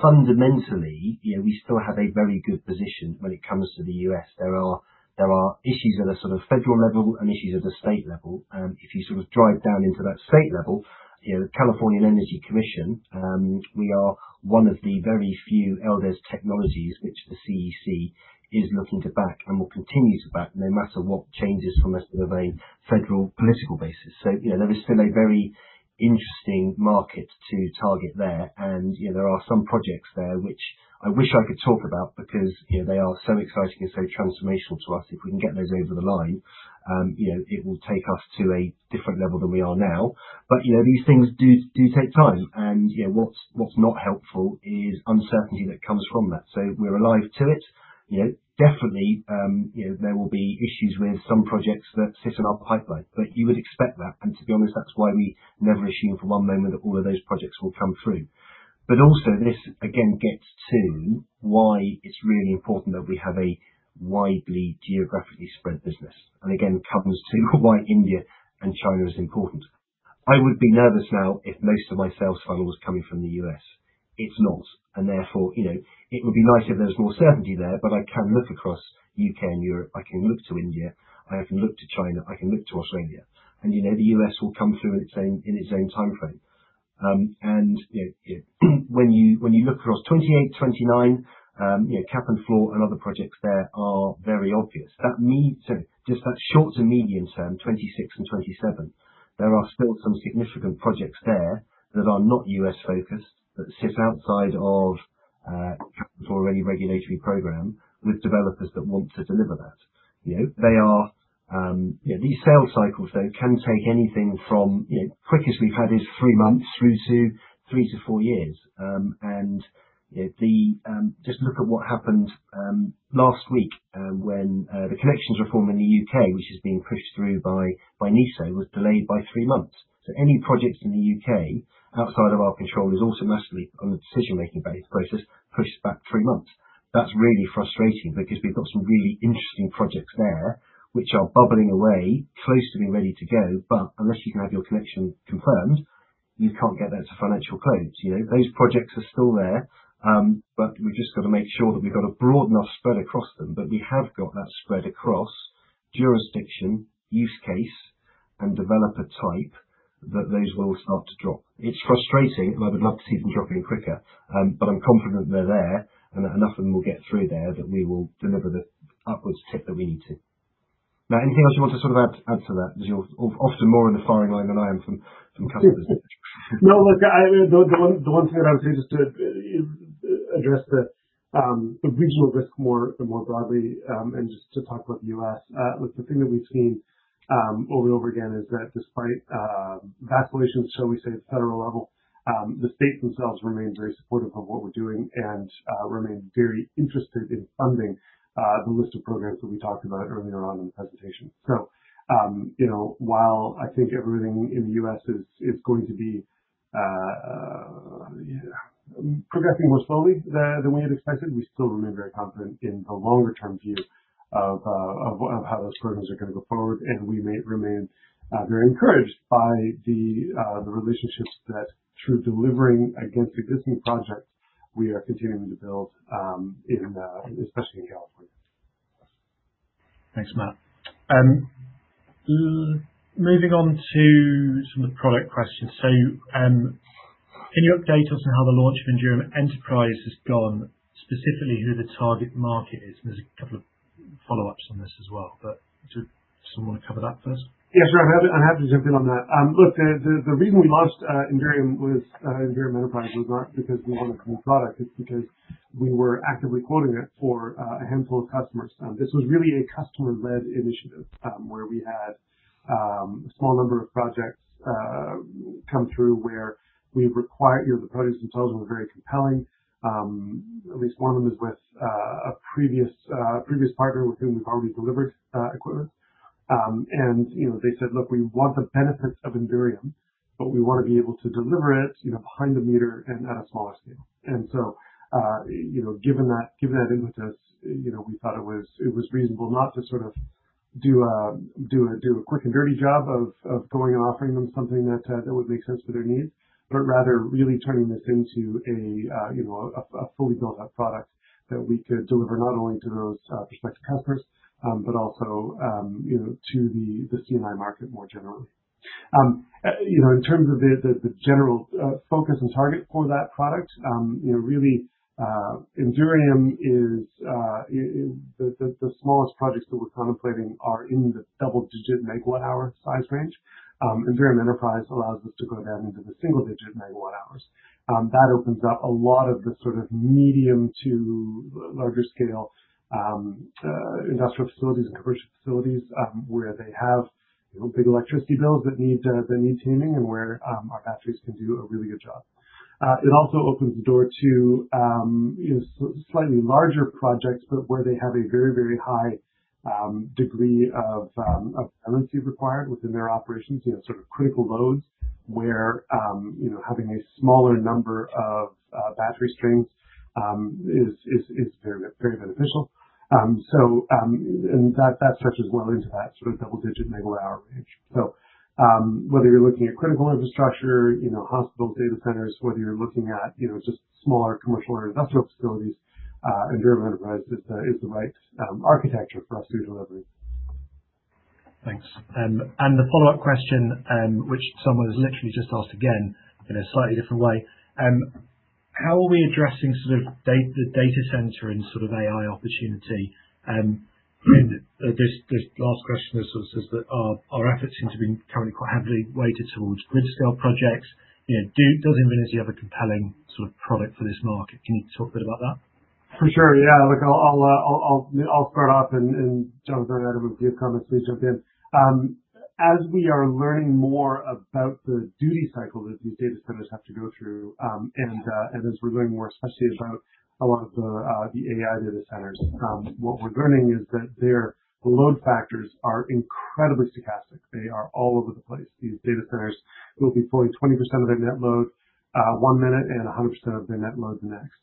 Fundamentally, we still have a very good position when it comes to the U.S. There are issues at a federal level and issues at the state level. If you drive down into that state level, the California Energy Commission, we are one of the very few LDES technologies which the CEC is looking to back and will continue to back no matter what changes from a sort of a federal political basis. There is still a very interesting market to target there. There are some projects there which I wish I could talk about because they are so exciting and so transformational to us. If we can get those over the line, it will take us to a different level than we are now. These things do take time, and what's not helpful is uncertainty that comes from that. We're alive to it. Definitely, there will be issues with some projects that sit in our pipeline, but you would expect that. To be honest, that's why we never assume for one moment that all of those projects will come through. This, again, gets to why it's really important that we have a widely geographically spread business, and again, comes to why India and China is important. I would be nervous now if most of my sales funnel was coming from the U.S. It's not, and therefore, it would be nice if there was more certainty there, but I can look across U.K. and Europe, I can look to India, I can look to China, I can look to Australia. The U.S. will come through in its own timeframe. When you look across 2028, 2029, Cap and Floor and other projects there are very obvious. Just that short to medium-term, 2026 and 2027, there are still some significant projects there that are not U.S.-focused, that sit outside of capital or any regulatory program with developers that want to deliver that. These sales cycles, though, can take anything from, quickest we've had is three months through to three to four years. Just look at what happened last week when the connections reform in the U.K., which is being pushed through by NESO, was delayed by three months. Any projects in the U.K. outside of our control is automatically, on the decision-making basis process, pushed back three months. That's really frustrating because we've got some really interesting projects there which are bubbling away, close to being ready to go, but unless you can have your connection confirmed, you can't get those financial close. Those projects are still there, but we've just got to make sure that we've got a broad enough spread across them. We have got that spread across jurisdiction, use case, and developer type that those will start to drop. It's frustrating. I would love to see them dropping quicker. I'm confident they're there and that enough of them will get through there that we will deliver the upwards tick that we need to. Now, anything else you want to add to that? Because you're often more in the firing line than I am from customers. The one thing I would say just to address the regional risk more broadly, just to talk about the U.S. The thing that we've seen over and over again is that despite vacillations, shall we say, at the federal level, the states themselves remain very supportive of what we're doing and remain very interested in funding the list of programs that we talked about earlier on in the presentation. While I think everything in the U.S. is going to be progressing more slowly than we had expected, we still remain very confident in the longer-term view of how those programs are going to go forward. We may remain very encouraged by the relationships that through delivering against existing projects, we are continuing to build, especially in California. Thanks, Matt. Moving on to some of the product questions. Can you update us on how the launch of Endurium Enterprise has gone, specifically who the target market is? There's a couple of follow-ups on this as well. Does someone want to cover that first? Sure. I'm happy to jump in on that. The reason we launched Endurium Enterprise was not because we wanted a new product, it's because we were actively quoting it for a handful of customers. This was really a customer-led initiative, where we had a small number of projects come through where the product itself was very compelling. At least one of them is with a previous partner with whom we've already delivered equipment. They said, "Look, we want the benefits of Endurium, but we want to be able to deliver it behind the meter and at a smaller scale." Given that impetus, we thought it was reasonable not to do a quick and dirty job of going and offering them something that would make sense for their needs, but rather really turning this into a fully built-out product that we could deliver not only to those prospective customers but also to the C&I market more generally. In terms of the general focus and target for that product, Endurium is, the smallest projects that we're contemplating are in the double-digit megawatt hour size range. Endurium Enterprise allows us to go down into the single-digit megawatt hours. That opens up a lot of the sort of medium to larger scale industrial facilities and commercial facilities, where they have big electricity bills that need taming and where our batteries can do a really good job. It also opens the door to slightly larger projects, but where they have a very high degree of resiliency required within their operations, sort of critical loads where having a smaller number of battery strings is very beneficial. That stretches well into that double digit megawatt hour range. Whether you're looking at critical infrastructure, hospitals, data centers, whether you're looking at just smaller commercial or industrial facilities, Endurium Enterprise is the right architecture for us to deliver. Thanks. The follow-up question, which someone has literally just asked again in a slightly different way. How are we addressing the data center in AI opportunity? This last question says that our efforts seem to be currently quite heavily weighted towards grid scale projects. Does Invinity have a compelling product for this market? Can you talk a bit about that? For sure. Yeah. Look, I'll start off, Jonathan or Adam, if you have comments, please jump in. As we are learning more about the duty cycle that these data centers have to go through, and as we're learning more especially about a lot of the AI data centers, what we're learning is that their load factors are incredibly stochastic. They are all over the place. These data centers will be pulling 20% of their net load, one minute and 100% of their net load the next.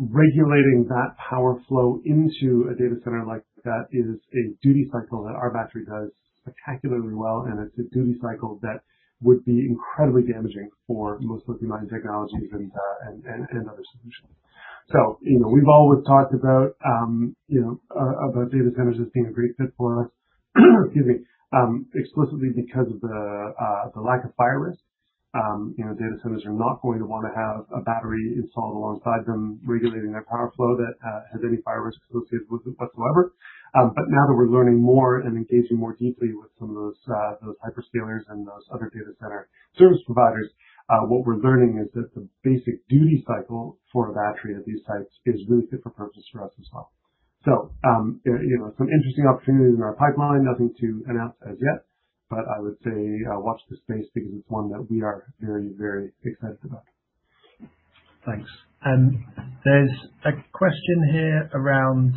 Regulating that power flow into a data center like that is a duty cycle that our battery does spectacularly well, and it's a duty cycle that would be incredibly damaging for most lithium-ion technologies and other solutions. We've always talked about data centers as being a great fit for us, excuse me, explicitly because of the lack of fire risk. Data centers are not going to want to have a battery installed alongside them regulating their power flow that has any fire risk associated with it whatsoever. Now that we're learning more and engaging more deeply with some of those hyperscalers and those other data center service providers, what we're learning is that the basic duty cycle for a battery of these types is really fit for purpose for us as well. Some interesting opportunities in our pipeline. Nothing to announce as yet, but I would say watch this space because it's one that we are very, very excited about. Thanks. There's a question here around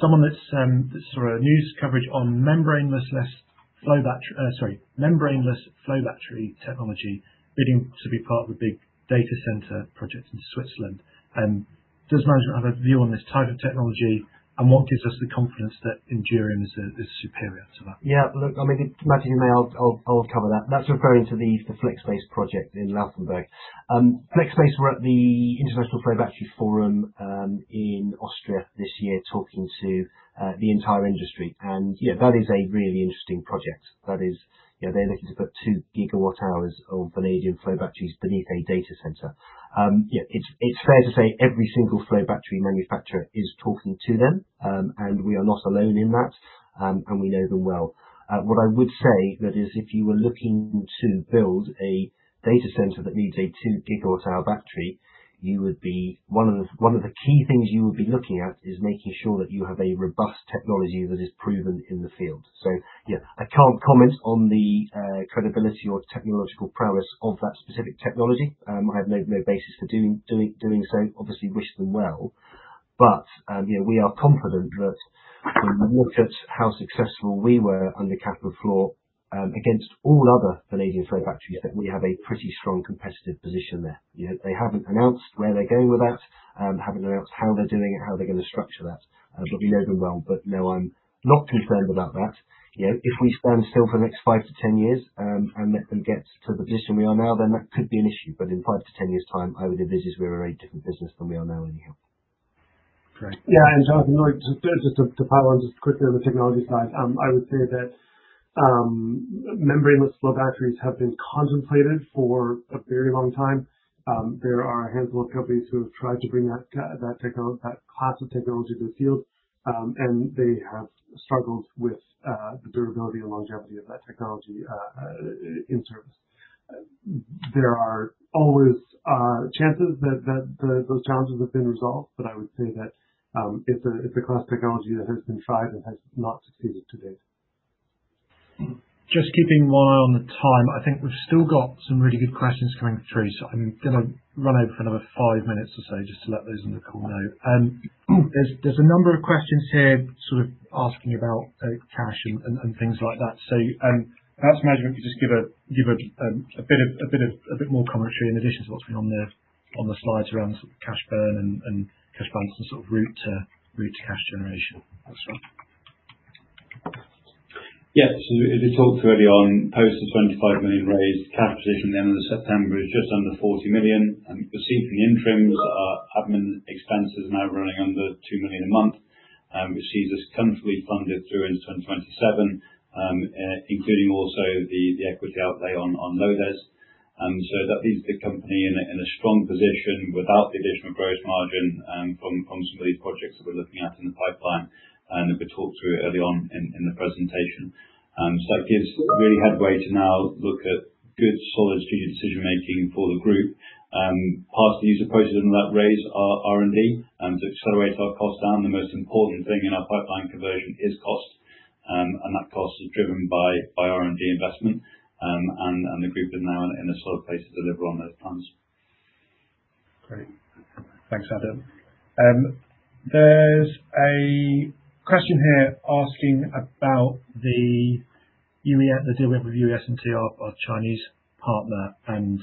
someone that saw a news coverage on membraneless flow battery technology bidding to be part of a big data center project in Switzerland. Does management have a view on this type of technology, and what gives us the confidence that Endurium is superior to that? Yeah. Look, I mean, it matches the mail. I'll cover that. That's referring to the FlexBase project in Laufenburg. FlexBase were at the International Flow Battery Forum, in Austria this year, talking to the entire industry, and that is a really interesting project. They're looking to put two gigawatt hours of vanadium flow batteries beneath a data center. It's fair to say every single flow battery manufacturer is talking to them, and we are not alone in that, and we know them well. What I would say that is if you were looking to build a data center that needs a two gigawatt hour battery, one of the key things you would be looking at is making sure that you have a robust technology that is proven in the field. I can't comment on the credibility or technological prowess of that specific technology. I have no basis for doing so. Obviously wish them well. We are confident that when you look at how successful we were under Cap and Floor, against all other vanadium flow batteries, that we have a pretty strong competitive position there. They haven't announced where they're going with that, haven't announced how they're doing it, how they're going to structure that. Look, we know them well, but no, I'm not concerned about that. If we stand still for the next five to 10 years, let them get to the position we are now, then that could be an issue. In five to 10 years' time, I would envisage we're a very different business than we are now anyhow. Great. Jonathan, just to follow on just quickly on the technology side, I would say that membraneless flow batteries have been contemplated for a very long time. There are a handful of companies who have tried to bring that class of technology to the field, and they have struggled with the durability and longevity of that technology in service. There are always chances that those challenges have been resolved, but I would say that it's a class technology that has been tried and has not succeeded to date. Just keeping my eye on the time. I think we have still got some really good questions coming through, I'm gonna run over for another five minutes or so, just to let those in the call know. There is a number of questions here, sort of asking about cash and things like that. Perhaps, management, could just give a bit more commentary in addition to what has been on the slides around cash burn and cash balance and route to cash generation. That is right. Yeah. As we talked through early on, post the 25 million raised, cash position at the end of September is just under 40 million. You can see from the interims that our admin expenses are now running under 2 million a month, which sees us comfortably funded through into 2027, including also the equity outlay on LODES. That leaves the company in a strong position without the additional gross margin, from some of these projects that we are looking at in the pipeline and that we talked through early on in the presentation. That gives really headway to now look at good, solid strategic decision-making for the group. Part of the use of proceeds from that raise are R&D and to accelerate our cost down. The most important thing in our pipeline conversion is cost, and that cost is driven by R&D investment. The group is now in a solid place to deliver on those plans. Great. Thanks, Adam. There is a question here asking about The deal we have with UE S&T, our Chinese partner, and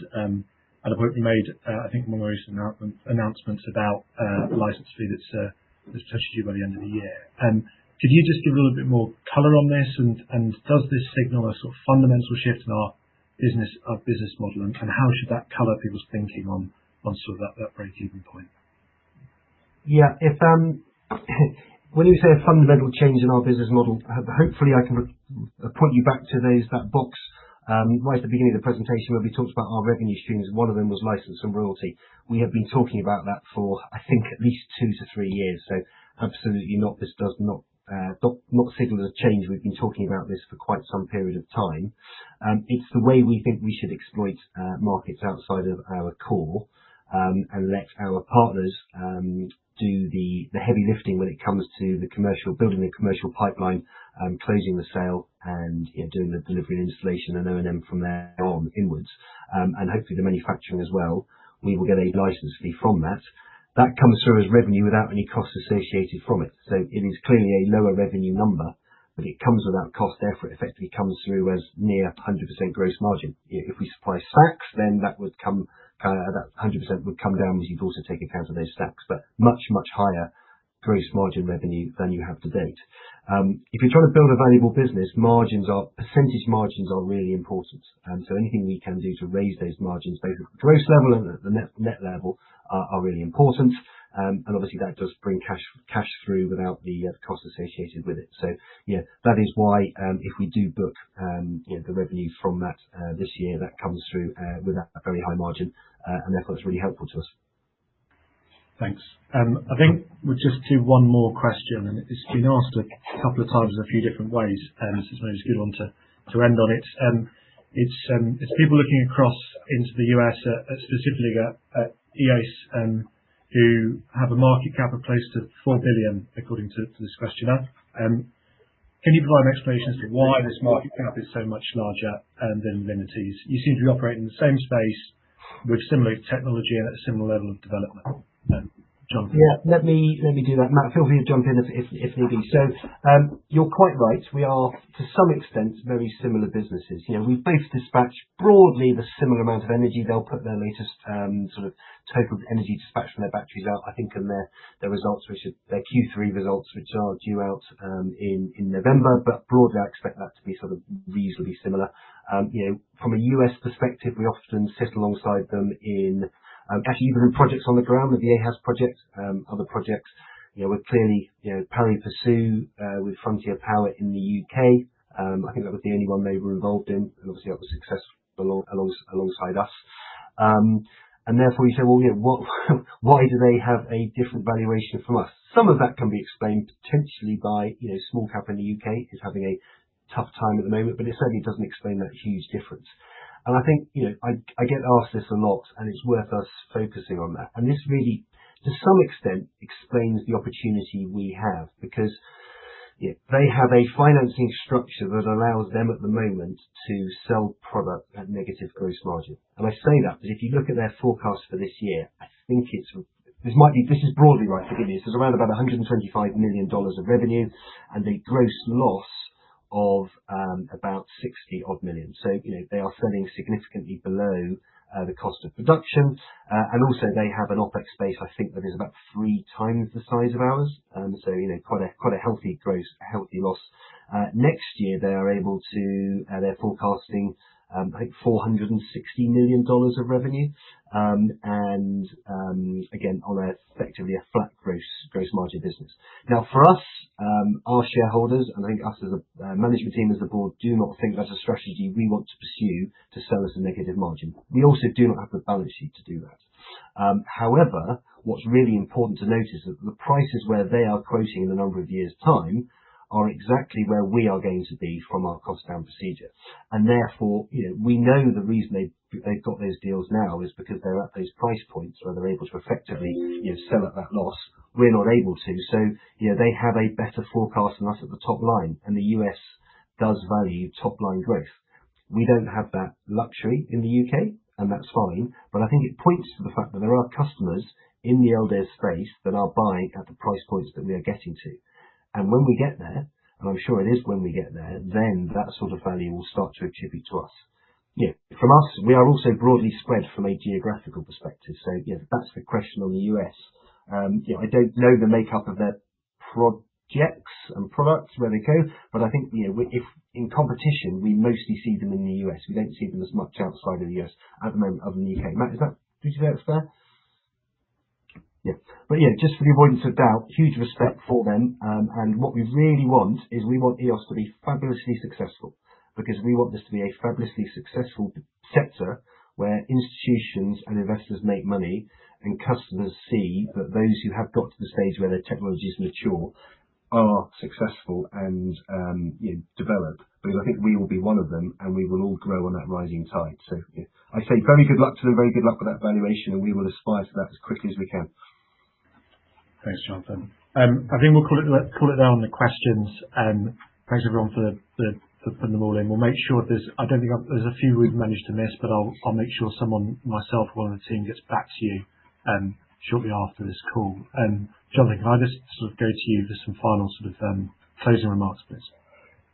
I believe we made, I think one of those announcements about a license fee that is touched year by the end of the year. Could you just give a little bit more color on this and does this signal a fundamental shift in our business model, and how should that color people's thinking on that breakeven point? Yeah. When you say a fundamental change in our business model, hopefully, I can point you back to that box right at the beginning of the presentation where we talked about our revenue streams, one of them was license and royalty. We have been talking about that for, I think, at least 2-3 years. Absolutely not, this does not signal a change. We've been talking about this for quite some period of time. It's the way we think we should exploit markets outside of our core, and let our partners do the heavy lifting when it comes to building the commercial pipeline, closing the sale, and doing the delivery and installation and O&M from there on inwards. And hopefully the manufacturing as well. We will get a license fee from that. That comes through as revenue without any costs associated from it. It is clearly a lower revenue number, but it comes without cost, therefore, it effectively comes through as near 100% gross margin. If we supply stacks, then that 100% would come down because you'd also take account of those stacks. Much, much higher gross margin revenue than you have to date. If you're trying to build a valuable business, percentage margins are really important. Anything we can do to raise those margins, both at the gross level and the net level, are really important. Obviously that does bring cash through without the cost associated with it. Yeah, that is why, if we do book the revenue from that this year, that comes through with that very high margin, and therefore it's really helpful to us. Thanks. I think we'll just do one more question. It's been asked a couple of times in a few different ways, it's maybe good one to end on it. It's people looking across into the U.S., specifically at Eos, who have a market cap of close to 4 billion, according to this questioner. Can you provide an explanation as to why this market cap is so much larger than Invinity's? You seem to be operating in the same space with similar technology and at a similar level of development. Jonathan? Yeah. Let me do that, Matt. Feel free to jump in if need be. You're quite right. We are, to some extent, very similar businesses. We both dispatch broadly the similar amount of energy. They'll put their latest total energy dispatched from their batteries out, I think in their Q3 results, which are due out in November. Broadly, I expect that to be reasonably similar. From a U.S. perspective, we often sit alongside them in actually even in projects on the ground, with the AHAS project, other projects. We're clearly currently pursue with Frontier Power in the U.K. I think that was the only one they were involved in. Obviously that was successful alongside us. Therefore, you say, "Well, why do they have a different valuation from us?" Some of that can be explained potentially by small-cap in the U.K. is having a tough time at the moment, but it certainly doesn't explain that huge difference. I think, I get asked this a lot, and it's worth us focusing on that. This really, to some extent, explains the opportunity we have because they have a financing structure that allows them at the moment to sell product at negative gross margin. I say that because if you look at their forecast for this year, this is broadly right, forgive me, so it's around about $125 million of revenue and a gross loss of about $60-odd million. So, they are selling significantly below the cost of production. Also, they have an OpEx base, I think that is about 3 times the size of ours. So, quite a healthy gross, healthy loss. Next year, they're forecasting, I think, $460 million of revenue. Again, on effectively a flat gross margin business. For us, our shareholders, and I think us as a management team, as a board, do not think that's a strategy we want to pursue to sell as a negative margin. We also do not have the balance sheet to do that. However, what's really important to note is that the prices where they are quoting in a number of years' time are exactly where we are going to be from our cost-down procedure. Therefore, we know the reason they've got those deals now is because they're at those price points where they're able to effectively sell at that loss. We're not able to. They have a better forecast than us at the top-line, and the U.S. does value top-line growth. We don't have that luxury in the U.K., and that's fine, but I think it points to the fact that there are customers in the LD space that are buying at the price points that we are getting to. When we get there, and I'm sure it is when we get there, then that sort of value will start to attribute to us. From us, we are also broadly spread from a geographical perspective. That's the question on the U.S. I don't know the makeup of their projects and products, where they go, but I think if in competition, we mostly see them in the U.S., we don't see them as much outside of the U.S. at the moment other than U.K. Matt, do you think that's fair? Yeah. Just for the avoidance of doubt, huge respect for them. What we really want is we want Eos to be fabulously successful because we want this to be a fabulously successful sector where institutions and investors make money and customers see that those who have got to the stage where their technology is mature are successful and develop. Because I think we will be one of them, and we will all grow on that rising tide. I say very good luck to them, very good luck with that valuation, and we will aspire to that as quickly as we can. Thanks, Jonathan. I think we'll call it now on the questions. Thanks everyone for putting them all in. There's a few we've managed to miss, but I'll make sure someone, myself or one of the team, gets back to you shortly after this call. Jonathan, can I just go to you for some final closing remarks, please?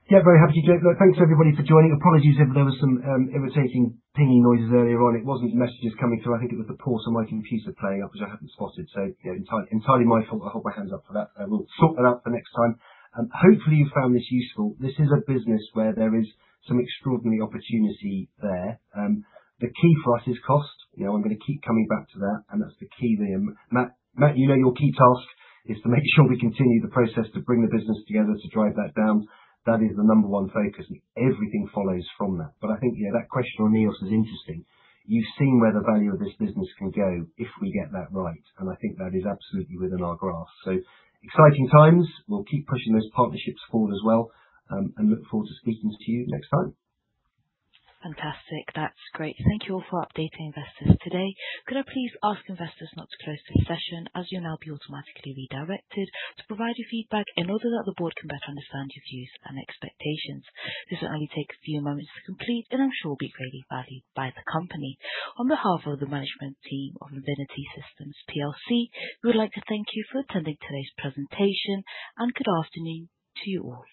Yeah, very happy to. Thanks everybody for joining. Apologies if there were some irritating pinging noises earlier on. It wasn't messages coming through. I think it was the poor, somewhat incomplete playing up, which I hadn't spotted. Entirely my fault. I hold my hands up for that. We'll sort that out for next time. Hopefully, you found this useful. This is a business where there is some extraordinary opportunity there. The key for us is cost. I'm going to keep coming back to that, and that's the key there. Matt, you know your key task is to make sure we continue the process to bring the business together to drive that down. That is the number 1 focus. Everything follows from that. I think, yeah, that question on Eos Energy Enterprises is interesting. You've seen where the value of this business can go if we get that right, and I think that is absolutely within our grasp. Exciting times. We'll keep pushing those partnerships forward as well, and look forward to speaking to you next time. Fantastic. That's great. Thank you all for updating investors today. Could I please ask investors not to close this session as you'll now be automatically redirected to provide your feedback in order that the board can better understand your views and expectations. This will only take a few moments to complete and I'm sure will be greatly valued by the company. On behalf of the management team of Invinity Energy Systems PLC, we would like to thank you for attending today's presentation, and good afternoon to you all.